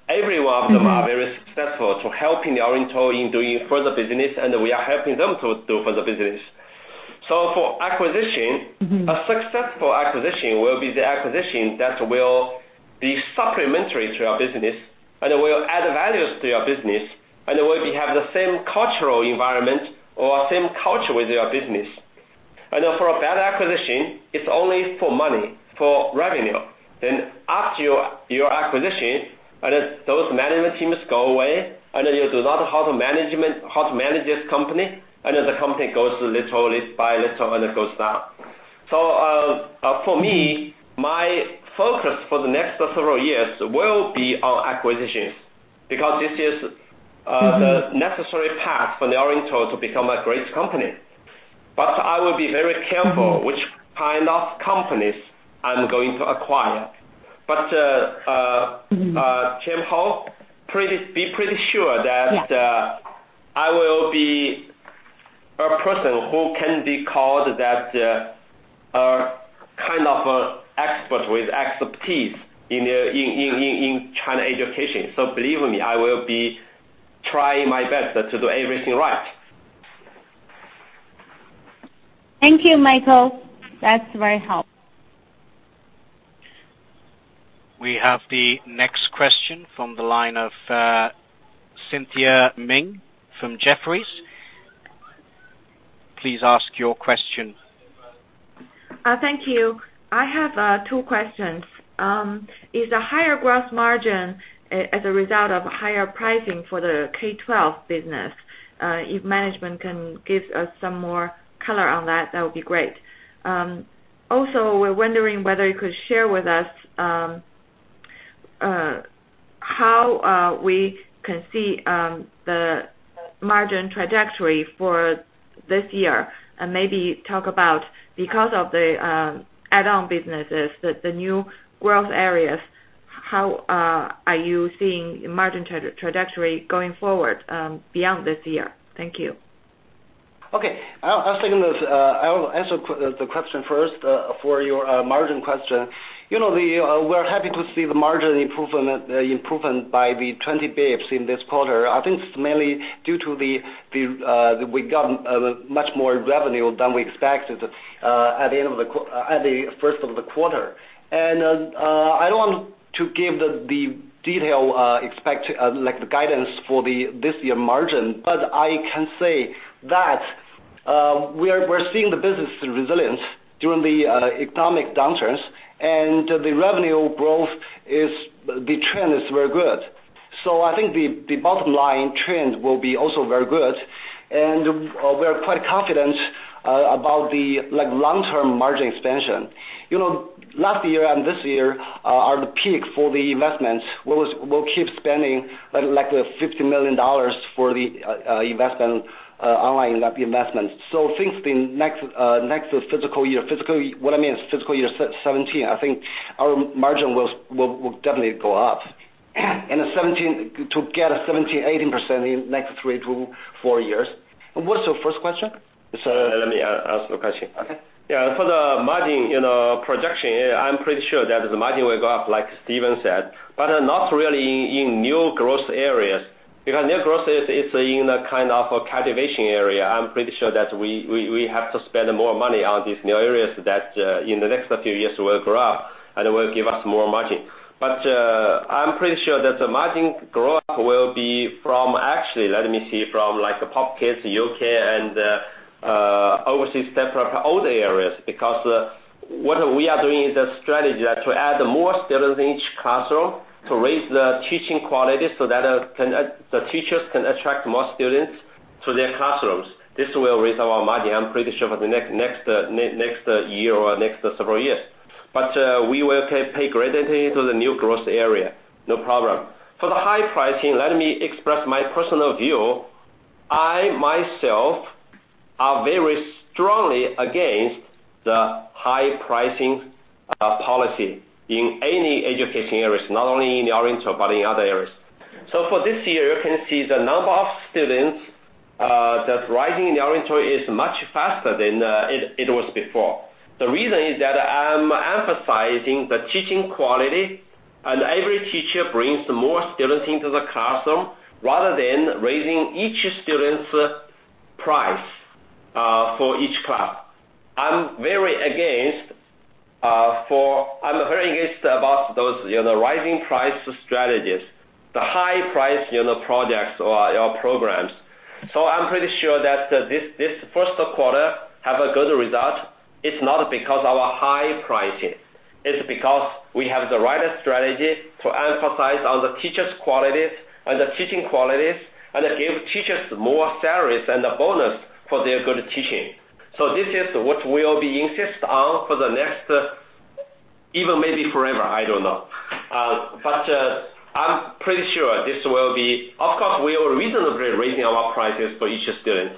Every one of them are very successful to helping New Oriental in doing further business, and we are helping them to do further business. For acquisition- A successful acquisition will be the acquisition that will be supplementary to your business and will add values to your business, and will have the same cultural environment or same culture with your business. For a bad acquisition, it's only for money, for revenue. After your acquisition, as those management teams go away, you do not have management, how to manage this company, the company goes little by little, it goes down. For me, my focus for the next several years will be on acquisitions, because this is- The necessary path for New Oriental to become a great company. I will be very careful- Which kind of companies I'm going to acquire. Tian Hou, be pretty sure that- Yeah. I will be a person who can be called that, kind of an expert with expertise in China education. Believe me, I will be trying my best to do everything right. Thank you, Michael. That's very helpful. We have the next question from the line of Cynthia Meng from Jefferies. Please ask your question. Thank you. I have two questions. Is the higher gross margin as a result of higher pricing for the K12 business? If management can give us some more color on that would be great. We're wondering whether you could share with us, how we can see the margin trajectory for this year and maybe talk about, because of the add-on businesses, the new growth areas, how are you seeing margin trajectory going forward, beyond this year? Thank you. Okay. I will take this. I will answer the question first, for your margin question. We are happy to see the margin improvement by 20 basis points in this quarter. I think it is mainly due to, we got much more revenue than we expected at the first of the quarter. I do not want to give the detail expect, like the guidance for this year margin. I can say that we are seeing the business resilience during the economic downturns and the revenue growth, the trend is very good. I think the bottom line trend will be also very good, and we are quite confident about the long-term margin expansion. Last year and this year are the peak for the investments. We will keep spending like $50 million for the online investments. I think the next fiscal year, what I mean is fiscal year 2017, I think our margin will definitely go up. To get 17%-18% in next three to four years. What is your first question? Let me ask the question. Okay. Yeah. For the margin projection, I am pretty sure that the margin will go up, like Stephen Yang said, but not really in new growth areas. New growth is in a kind of a cultivation area. I am pretty sure that we have to spend more money on these new areas that in the next few years will grow up and will give us more margin. I am pretty sure that the margin growth will be from Actually, let me see, from like Pop Kids U-Can and overseas test prep for other areas. What we are doing is a strategy to add more students in each classroom to raise the teaching quality so that the teachers can attract more students to their classrooms. This will raise our margin, I am pretty sure for the next year or next several years. We will pay gradually to the new growth area. No problem. For the high pricing, let me express my personal view. I, myself, am very strongly against the high pricing policy in any education areas, not only in the Oriental, but in other areas. For this year, you can see the number of students that is rising in the Oriental is much faster than it was before. The reason is that I am emphasizing the teaching quality, and every teacher brings more students into the classroom rather than raising each student's price for each class. I am very against about those rising price strategies, the high price products or programs. I am pretty sure that this first quarter have a good result. It is not because our high pricing. It is because we have the right strategy to emphasize on the teachers' qualities and the teaching qualities, and give teachers more salaries and a bonus for their good teaching. This is what we will be insist on for the next, even maybe forever, I don't know. I am pretty sure this will be Of course, we are reasonably raising our prices for each student.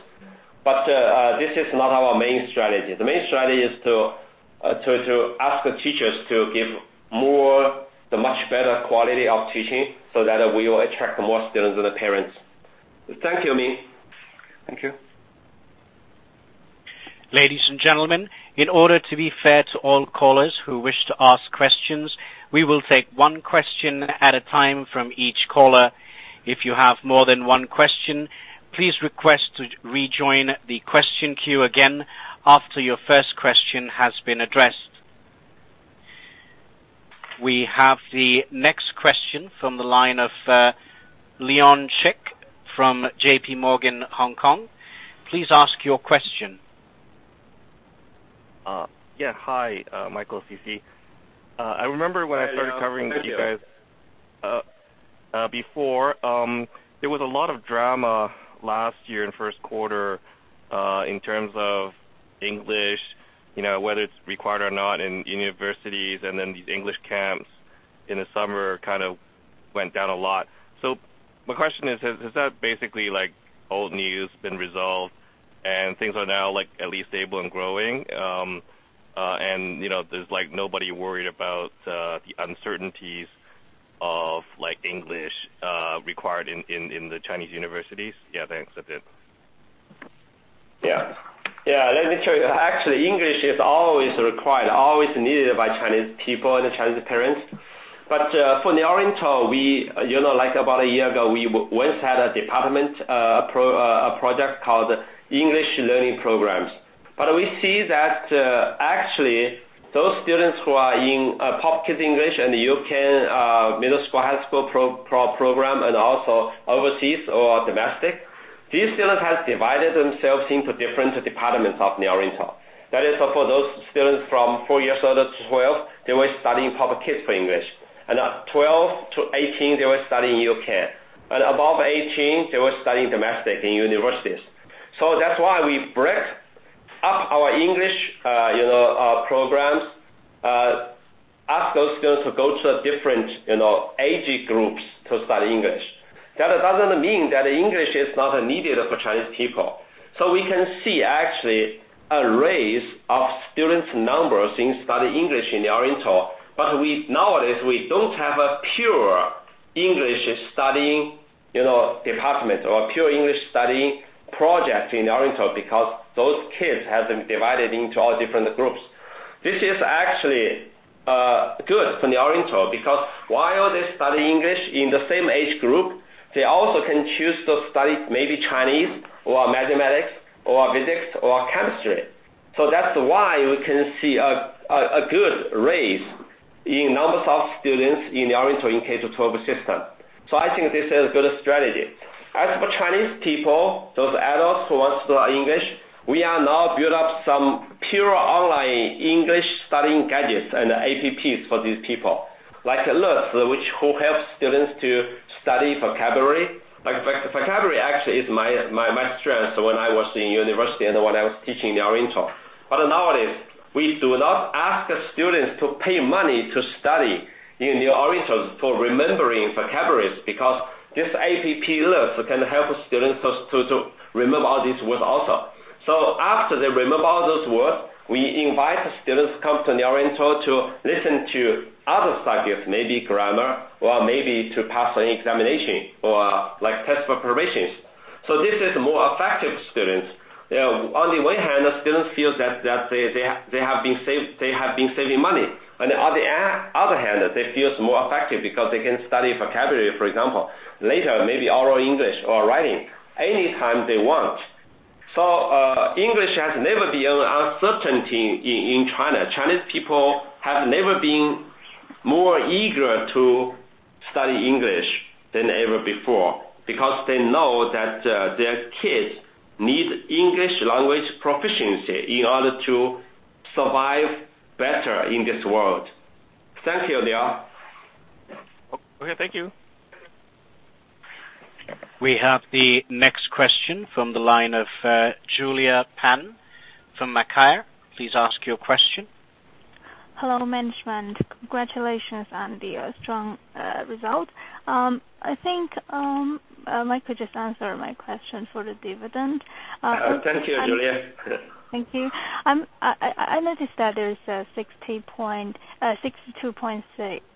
This is not our main strategy. The main strategy is to ask the teachers to give more, the much better quality of teaching so that we will attract more students and the parents. Thank you, Meng. Thank you. Ladies and gentlemen, in order to be fair to all callers who wish to ask questions, we will take one question at a time from each caller. If you have more than one question, please request to rejoin the question queue again after your first question has been addressed. We have the next question from the line of Leon Chik from J.P. Morgan, Hong Kong. Please ask your question. Hi, Michael, Sisi. Hi, Leon. How are you? I remember covering with you guys before, there was a lot of drama last year in the first quarter in terms of English, whether it's required or not in universities, and then these English camps in the summer kind of went down a lot. My question is that basically old news, been resolved, and things are now at least stable and growing? There's nobody worried about the uncertainties of English required in the Chinese universities? Thanks. That's it. Let me tell you. Actually, English is always required, always needed by Chinese people and Chinese parents. For New Oriental, about a year ago, we once had a department, a project called English Learning Programs. We see that actually, those students who are in Pop Kids and the U-Can, and also overseas or domestic, these students have divided themselves into different departments of New Oriental. That is for those students from four years old to 12, they were studying Pop Kids for English. 12 to 18, they were studying U-Can. Above 18, they were studying domestic in universities. That's why we break up our English programs, ask those students to go to different age groups to study English. That doesn't mean that English is not needed for Chinese people. We can see actually a raise of students numbers in study English in New Oriental, but nowadays, we don't have a pure English studying department or pure English studying project in New Oriental because those kids have been divided into all different groups. This is actually good for New Oriental because while they study English in the same age group, they also can choose to study maybe Chinese or mathematics or physics or chemistry. That's why we can see a good raise in numbers of students in New Oriental in K-12 system. I think this is a good strategy. As for Chinese people, those adults who want to learn English, we are now build up some pure online English studying gadgets and apps for these people. Like Le Ci, which will help students to study vocabulary. Vocabulary actually is my strength when I was in university and when I was teaching in New Oriental. Nowadays, we do not ask students to pay money to study in New Oriental for remembering vocabularies because this app, Le Ci, can help students to remember all these words also. After they remember all those words, we invite students come to New Oriental to listen to other subjects, maybe grammar, or maybe to pass an examination, or like test preparations. This is more effective students. On the one hand, the students feel that they have been saving money. On the other hand, they feel it's more effective because they can study vocabulary, for example, later, maybe oral English or writing anytime they want. English has never been an uncertainty in China. Chinese people have never been more eager to study English than ever before because they know that their kids need English language proficiency in order to survive better in this world. Thank you, Leon. Okay. Thank you. We have the next question from the line of Julia Pan from Macquarie. Please ask your question. Hello, management. Congratulations on the strong result. I think Michael could just answer my question for the dividend. Thank you, Julia. Thank you. I noticed that there's $62.6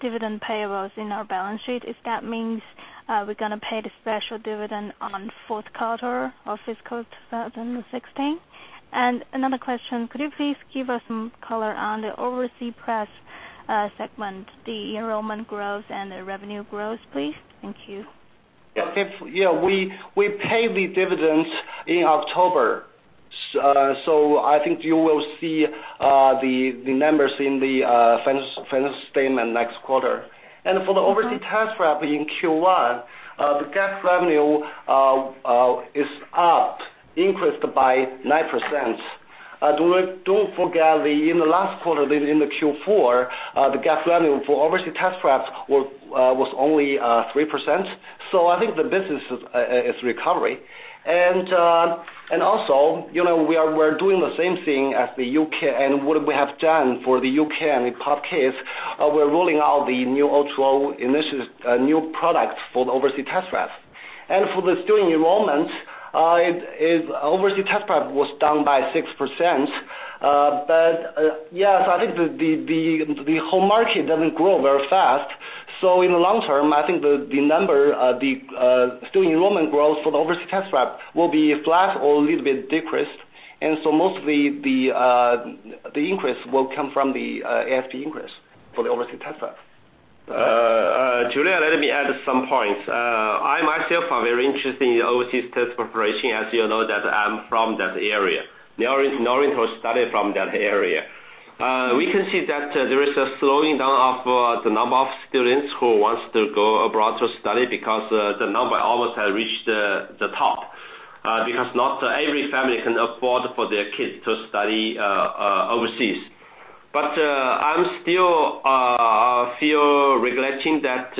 dividend payables in our balance sheet. If that means we're going to pay the special dividend on fourth quarter of FY 2016. Another question, could you please give us some color on the overseas prep segment, the enrollment growth and the revenue growth, please? Thank you. Yeah. We pay the dividends in October. I think you will see the numbers in the financial statement next quarter. For the overseas test prep in Q1, the GAAP revenue is up, increased by 9%. Don't forget, in the last quarter, in the Q4, the GAAP revenue for overseas test prep was only 3%. I think the business is recovering. We're doing the same thing as the U-Can and what we have done for the U-Can and the Pop Kids. We're rolling out the new O2O initiative, a new product for the overseas test prep. For the student enrollment, overseas test prep was down by 6%. I think the whole market doesn't grow very fast. In the long term, I think the number, the student enrollment growth for the overseas test prep will be flat or a little bit decreased. Mostly the increase will come from the ASP increase for the overseas test prep. Julia, let me add some points. I myself am very interested in overseas test preparation, as you know that I'm from that area. New Oriental started from that area. We can see that there is a slowing down of the number of students who wants to go abroad to study because, the number almost has reached the top. Because not every family can afford for their kids to study overseas. I still feel regretting that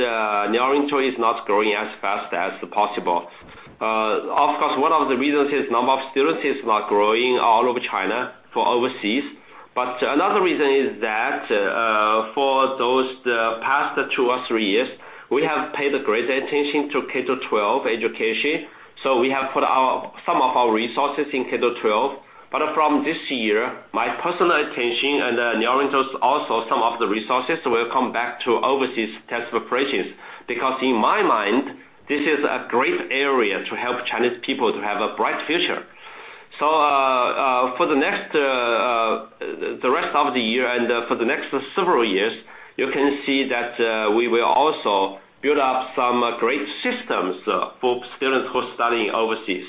New Oriental is not growing as fast as possible. Of course, one of the reasons is number of students is not growing all over China for overseas. Another reason is that, for those past 2 or 3 years, we have paid greater attention to K-12 education. We have put some of our resources in K-12. From this year, my personal attention and New Oriental's also, some of the resources will come back to overseas test preparations. Because in my mind, this is a great area to help Chinese people to have a bright future. For the rest of the year and for the next several years, you can see that we will also build up some great systems for students who study overseas.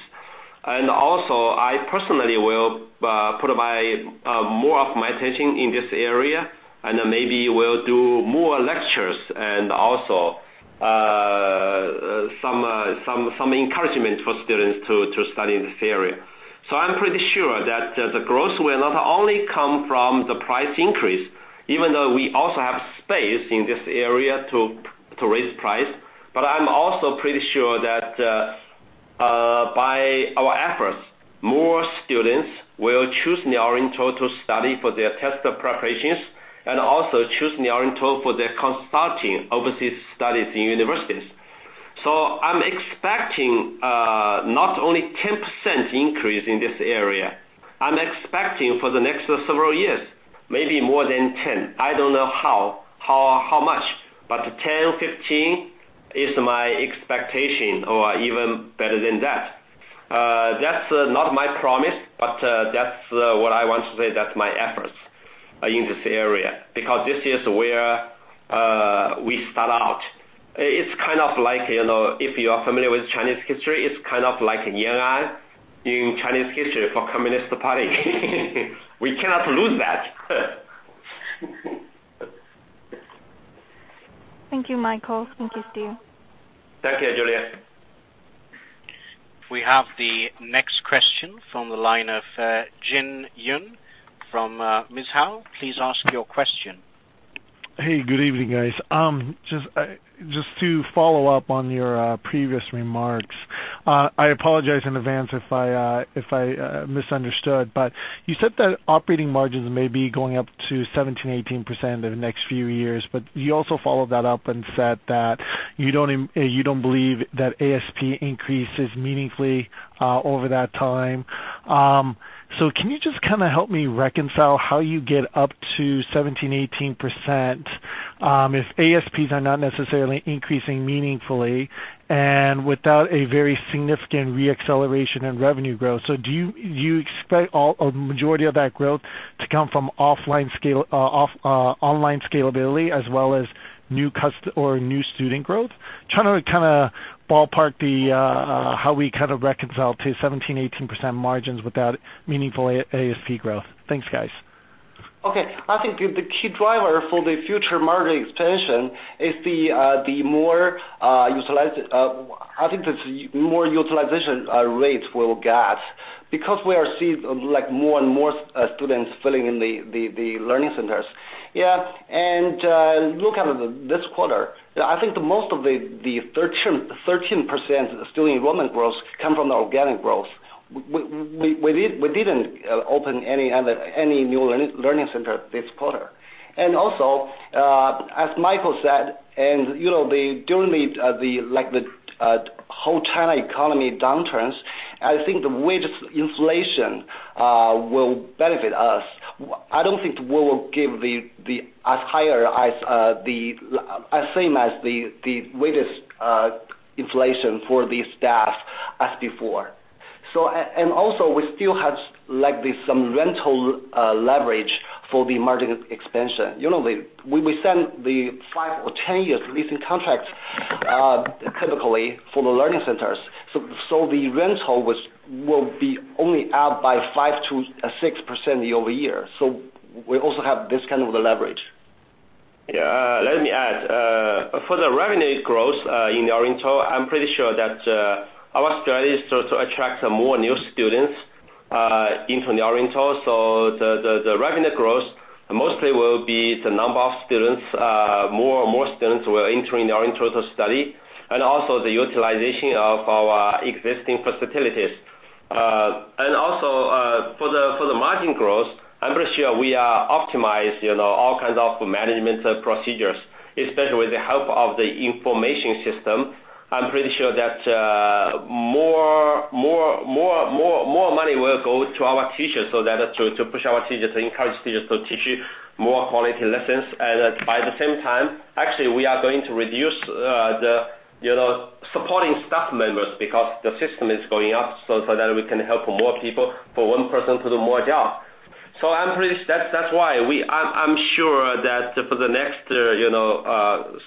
I personally will provide more of my attention in this area, and then maybe we'll do more lectures and also some encouragement for students to study this area. I'm pretty sure that the growth will not only come from the price increase, even though we also have space in this area to raise price, I'm also pretty sure that by our efforts, more students will choose New Oriental to study for their test preparations, and also choose New Oriental for their consulting overseas studies in universities. I'm expecting not only 10% increase in this area, I'm expecting for the next several years, maybe more than 10%. I don't know how much, 10%, 15% is my expectation, or even better than that. That's not my promise, that's what I want to say, that's my efforts in this area, because this is where we start out. It's kind of like, if you are familiar with Chinese history, it's kind of like in Chinese history for Communist Party. We cannot lose that. Thank you, Michael. Thank you, Steve. Thank you, Julia. We have the next question from the line of Jinlong Wang from Mizuho. Please ask your question. Hey, good evening, guys. Just to follow up on your previous remarks. I apologize in advance if I misunderstood. You said that operating margins may be going up to 17%-18% in the next few years, but you also followed that up and said that you don't believe that ASP increases meaningfully over that time. Can you just kind of help me reconcile how you get up to 17%-18%, if ASPs are not necessarily increasing meaningfully and without a very significant re-acceleration in revenue growth? Do you expect a majority of that growth to come from online scalability as well as new student growth? Trying to kind of ballpark how we kind of reconcile to 17%-18% margins without meaningful ASP growth. Thanks, guys. Okay. I think the key driver for the future margin expansion is the more utilization rates we'll get, because we are seeing more and more students filling in the learning centers. Yeah, look at this quarter. I think the most of the 13% student enrollment growth come from the organic growth. We didn't open any new learning center this quarter. Also, as Michael said, during the whole China economy downturns, I think the wage inflation will benefit us. I don't think we will give as same as the latest inflation for the staff as before. Also, we still have some rental leverage for the margin expansion. We sign the five or 10-year leasing contracts, typically for the learning centers. The rental will be only up by 5%-6% year-over-year. We also have this kind of leverage. Yeah. Let me add. For the revenue growth in New Oriental, I'm pretty sure that our strategy is to attract more new students into New Oriental. The revenue growth mostly will be the number of students, more students who are entering New Oriental to study, and also the utilization of our existing facilities. Also, for the margin growth, I'm pretty sure we are optimized, all kinds of management procedures, especially with the help of the information system. I'm pretty sure that more money will go to our teachers, so that to push our teachers, to encourage teachers to teach more quality lessons. At the same time, actually, we are going to reduce the supporting staff members because the system is going up so that we can help more people, for one person to do more job. I'm pretty sure that's why I'm sure that for the next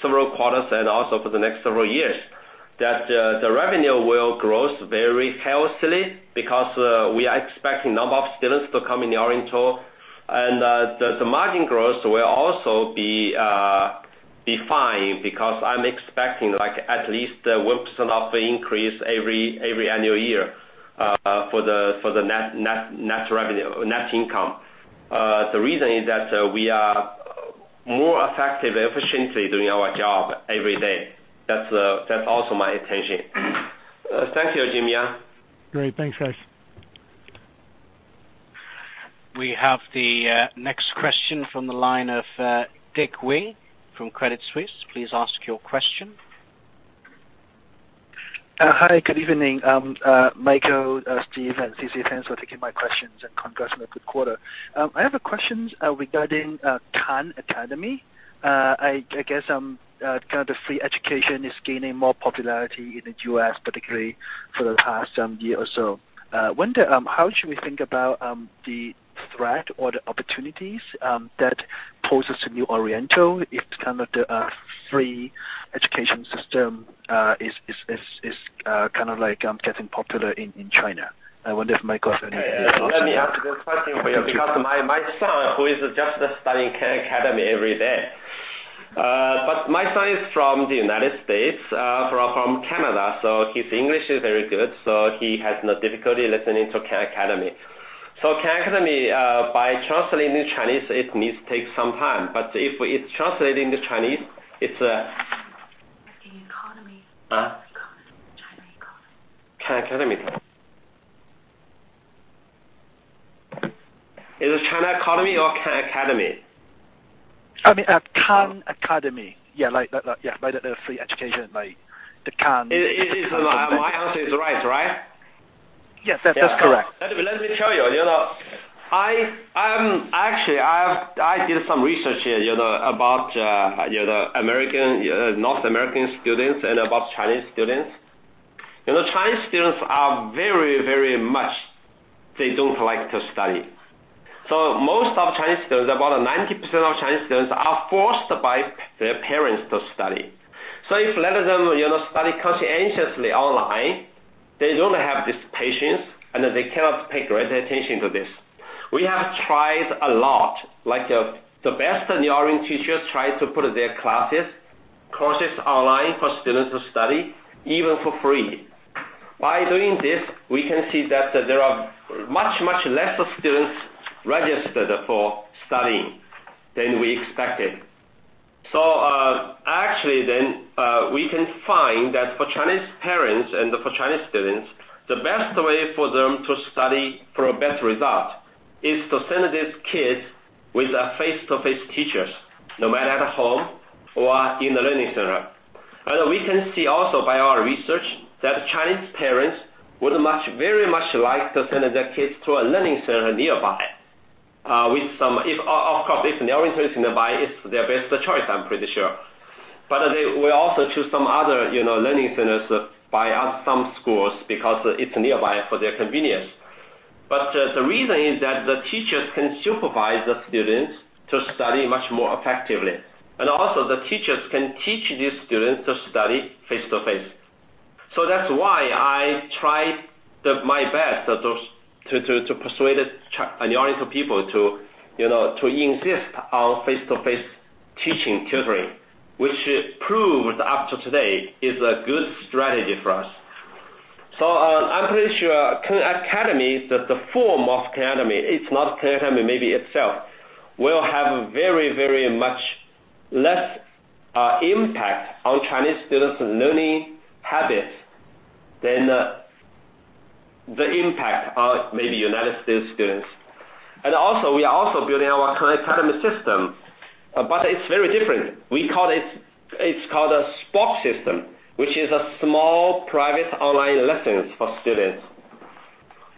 several quarters, also for the next several years, the revenue will grow very healthily, because we are expecting a number of students to come in New Oriental. The margin growth will also be fine because I'm expecting at least 1% of increase every annual year for the net income. The reason is that we are more effective efficiently doing our job every day. That's also my intention. Thank you, Jinlong. Great. Thanks, guys. We have the next question from the line of Dick Wei from Credit Suisse. Please ask your question. Hi, good evening. Michael, Steve, and CC, thanks for taking my questions, and congrats on a good quarter. I have a question regarding Khan Academy. I guess, kind of free education is gaining more popularity in the U.S., particularly for the past year or so. I wonder how should we think about the threat or the opportunities that poses to New Oriental if the free education system is getting popular in China? I wonder if Michael has any thoughts. Let me ask this question for you, because my son, who is just studying Khan Academy every day. My son is from the United States, from Canada, so his English is very good, so he has no difficulty listening to Khan Academy. Khan Academy, by translating to Chinese, it needs to take some time, but if it's translated into Chinese, it's a Huh? Khan Academy. Is it China Academy or Khan Academy? I mean, Khan Academy. Yeah, the free education, the Khan Academy. My answer is right. Yes, that's correct. Let me tell you. Actually, I did some research here about North American students and about Chinese students. Chinese students are very much, they don't like to study. Most Chinese students, about 90% of Chinese students, are forced by their parents to study. If you let them study conscientiously online, they don't have this patience, and they cannot pay great attention to this. We have tried a lot. The best New Oriental teachers try to put their classes, courses online for students to study, even for free. By doing this, we can see that there are much lesser students registered for studying than we expected. Actually, then, we can find that for Chinese parents and for Chinese students, the best way for them to study for a better result is to send these kids with face-to-face teachers, no matter at home or in the learning center. We can see also by our research that Chinese parents would very much like to send their kids to a learning center nearby. Of course, if New Oriental is nearby, it's their best choice, I'm pretty sure. They will also choose some other learning centers by some schools because it's nearby for their convenience. The reason is that the teachers can supervise the students to study much more effectively, and also the teachers can teach these students to study face-to-face. That's why I tried my best to persuade New Oriental people to insist on face-to-face teaching tutoring, which proved up to today is a good strategy for us. I'm pretty sure Khan Academy, the form of Khan Academy, it's not Khan Academy maybe itself, will have very much less impact on Chinese students' learning habits than the impact on maybe U.S. students. We are also building our Khan Academy system. It's very different. It's called a SPOC system, which is a small private online lessons for students.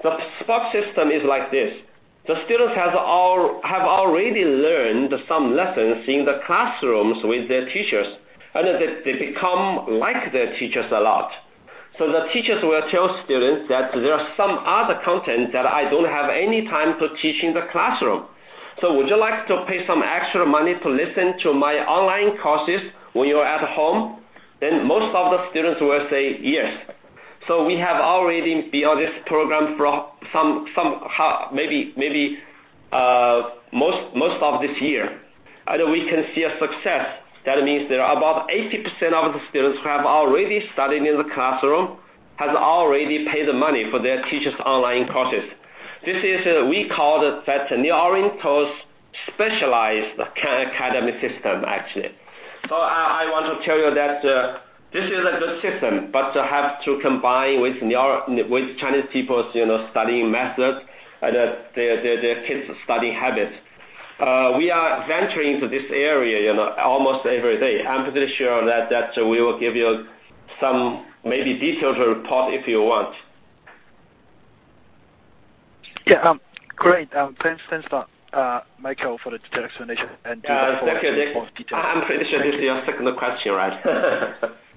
The SPOC system is like this. The students have already learned some lessons in the classrooms with their teachers, and they become like their teachers a lot. The teachers will tell students that there are some other content that I don't have any time to teach in the classroom. Would you like to pay some extra money to listen to my online courses when you are at home? Most of the students will say yes. We have already built this program for maybe most of this year, and we can see a success. That means that about 80% of the students who have already studied in the classroom have already paid the money for their teachers' online courses. We call that New Oriental's specialized Khan Academy system, actually. I want to tell you that this is a good system, you have to combine with Chinese people's studying methods and their kids' studying habits. We are venturing into this area almost every day. I'm pretty sure that we will give you maybe a detailed report if you want. Yeah. Great. Thanks a lot, Michael, for the detailed explanation. Yeah. Thank you, Dick. I'm pretty sure this is your second question, right?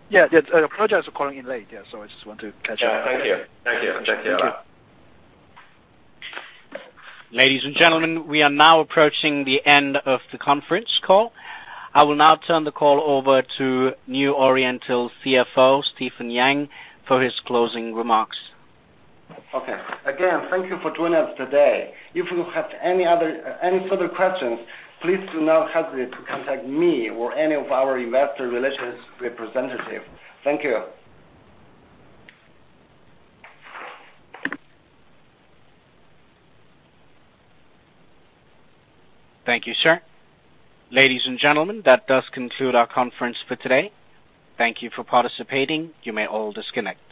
Yeah. Apologize for calling in late. I just want to catch up. Yeah. Thank you. Thank you. Thank you a lot. Thank you. Ladies and gentlemen, we are now approaching the end of the conference call. I will now turn the call over to New Oriental CFO, Stephen Yang, for his closing remarks. Okay. Again, thank you for joining us today. If you have any further questions, please do not hesitate to contact me or any of our investor relations representatives. Thank you. Thank you, sir. Ladies and gentlemen, that does conclude our conference for today. Thank you for participating. You may all disconnect.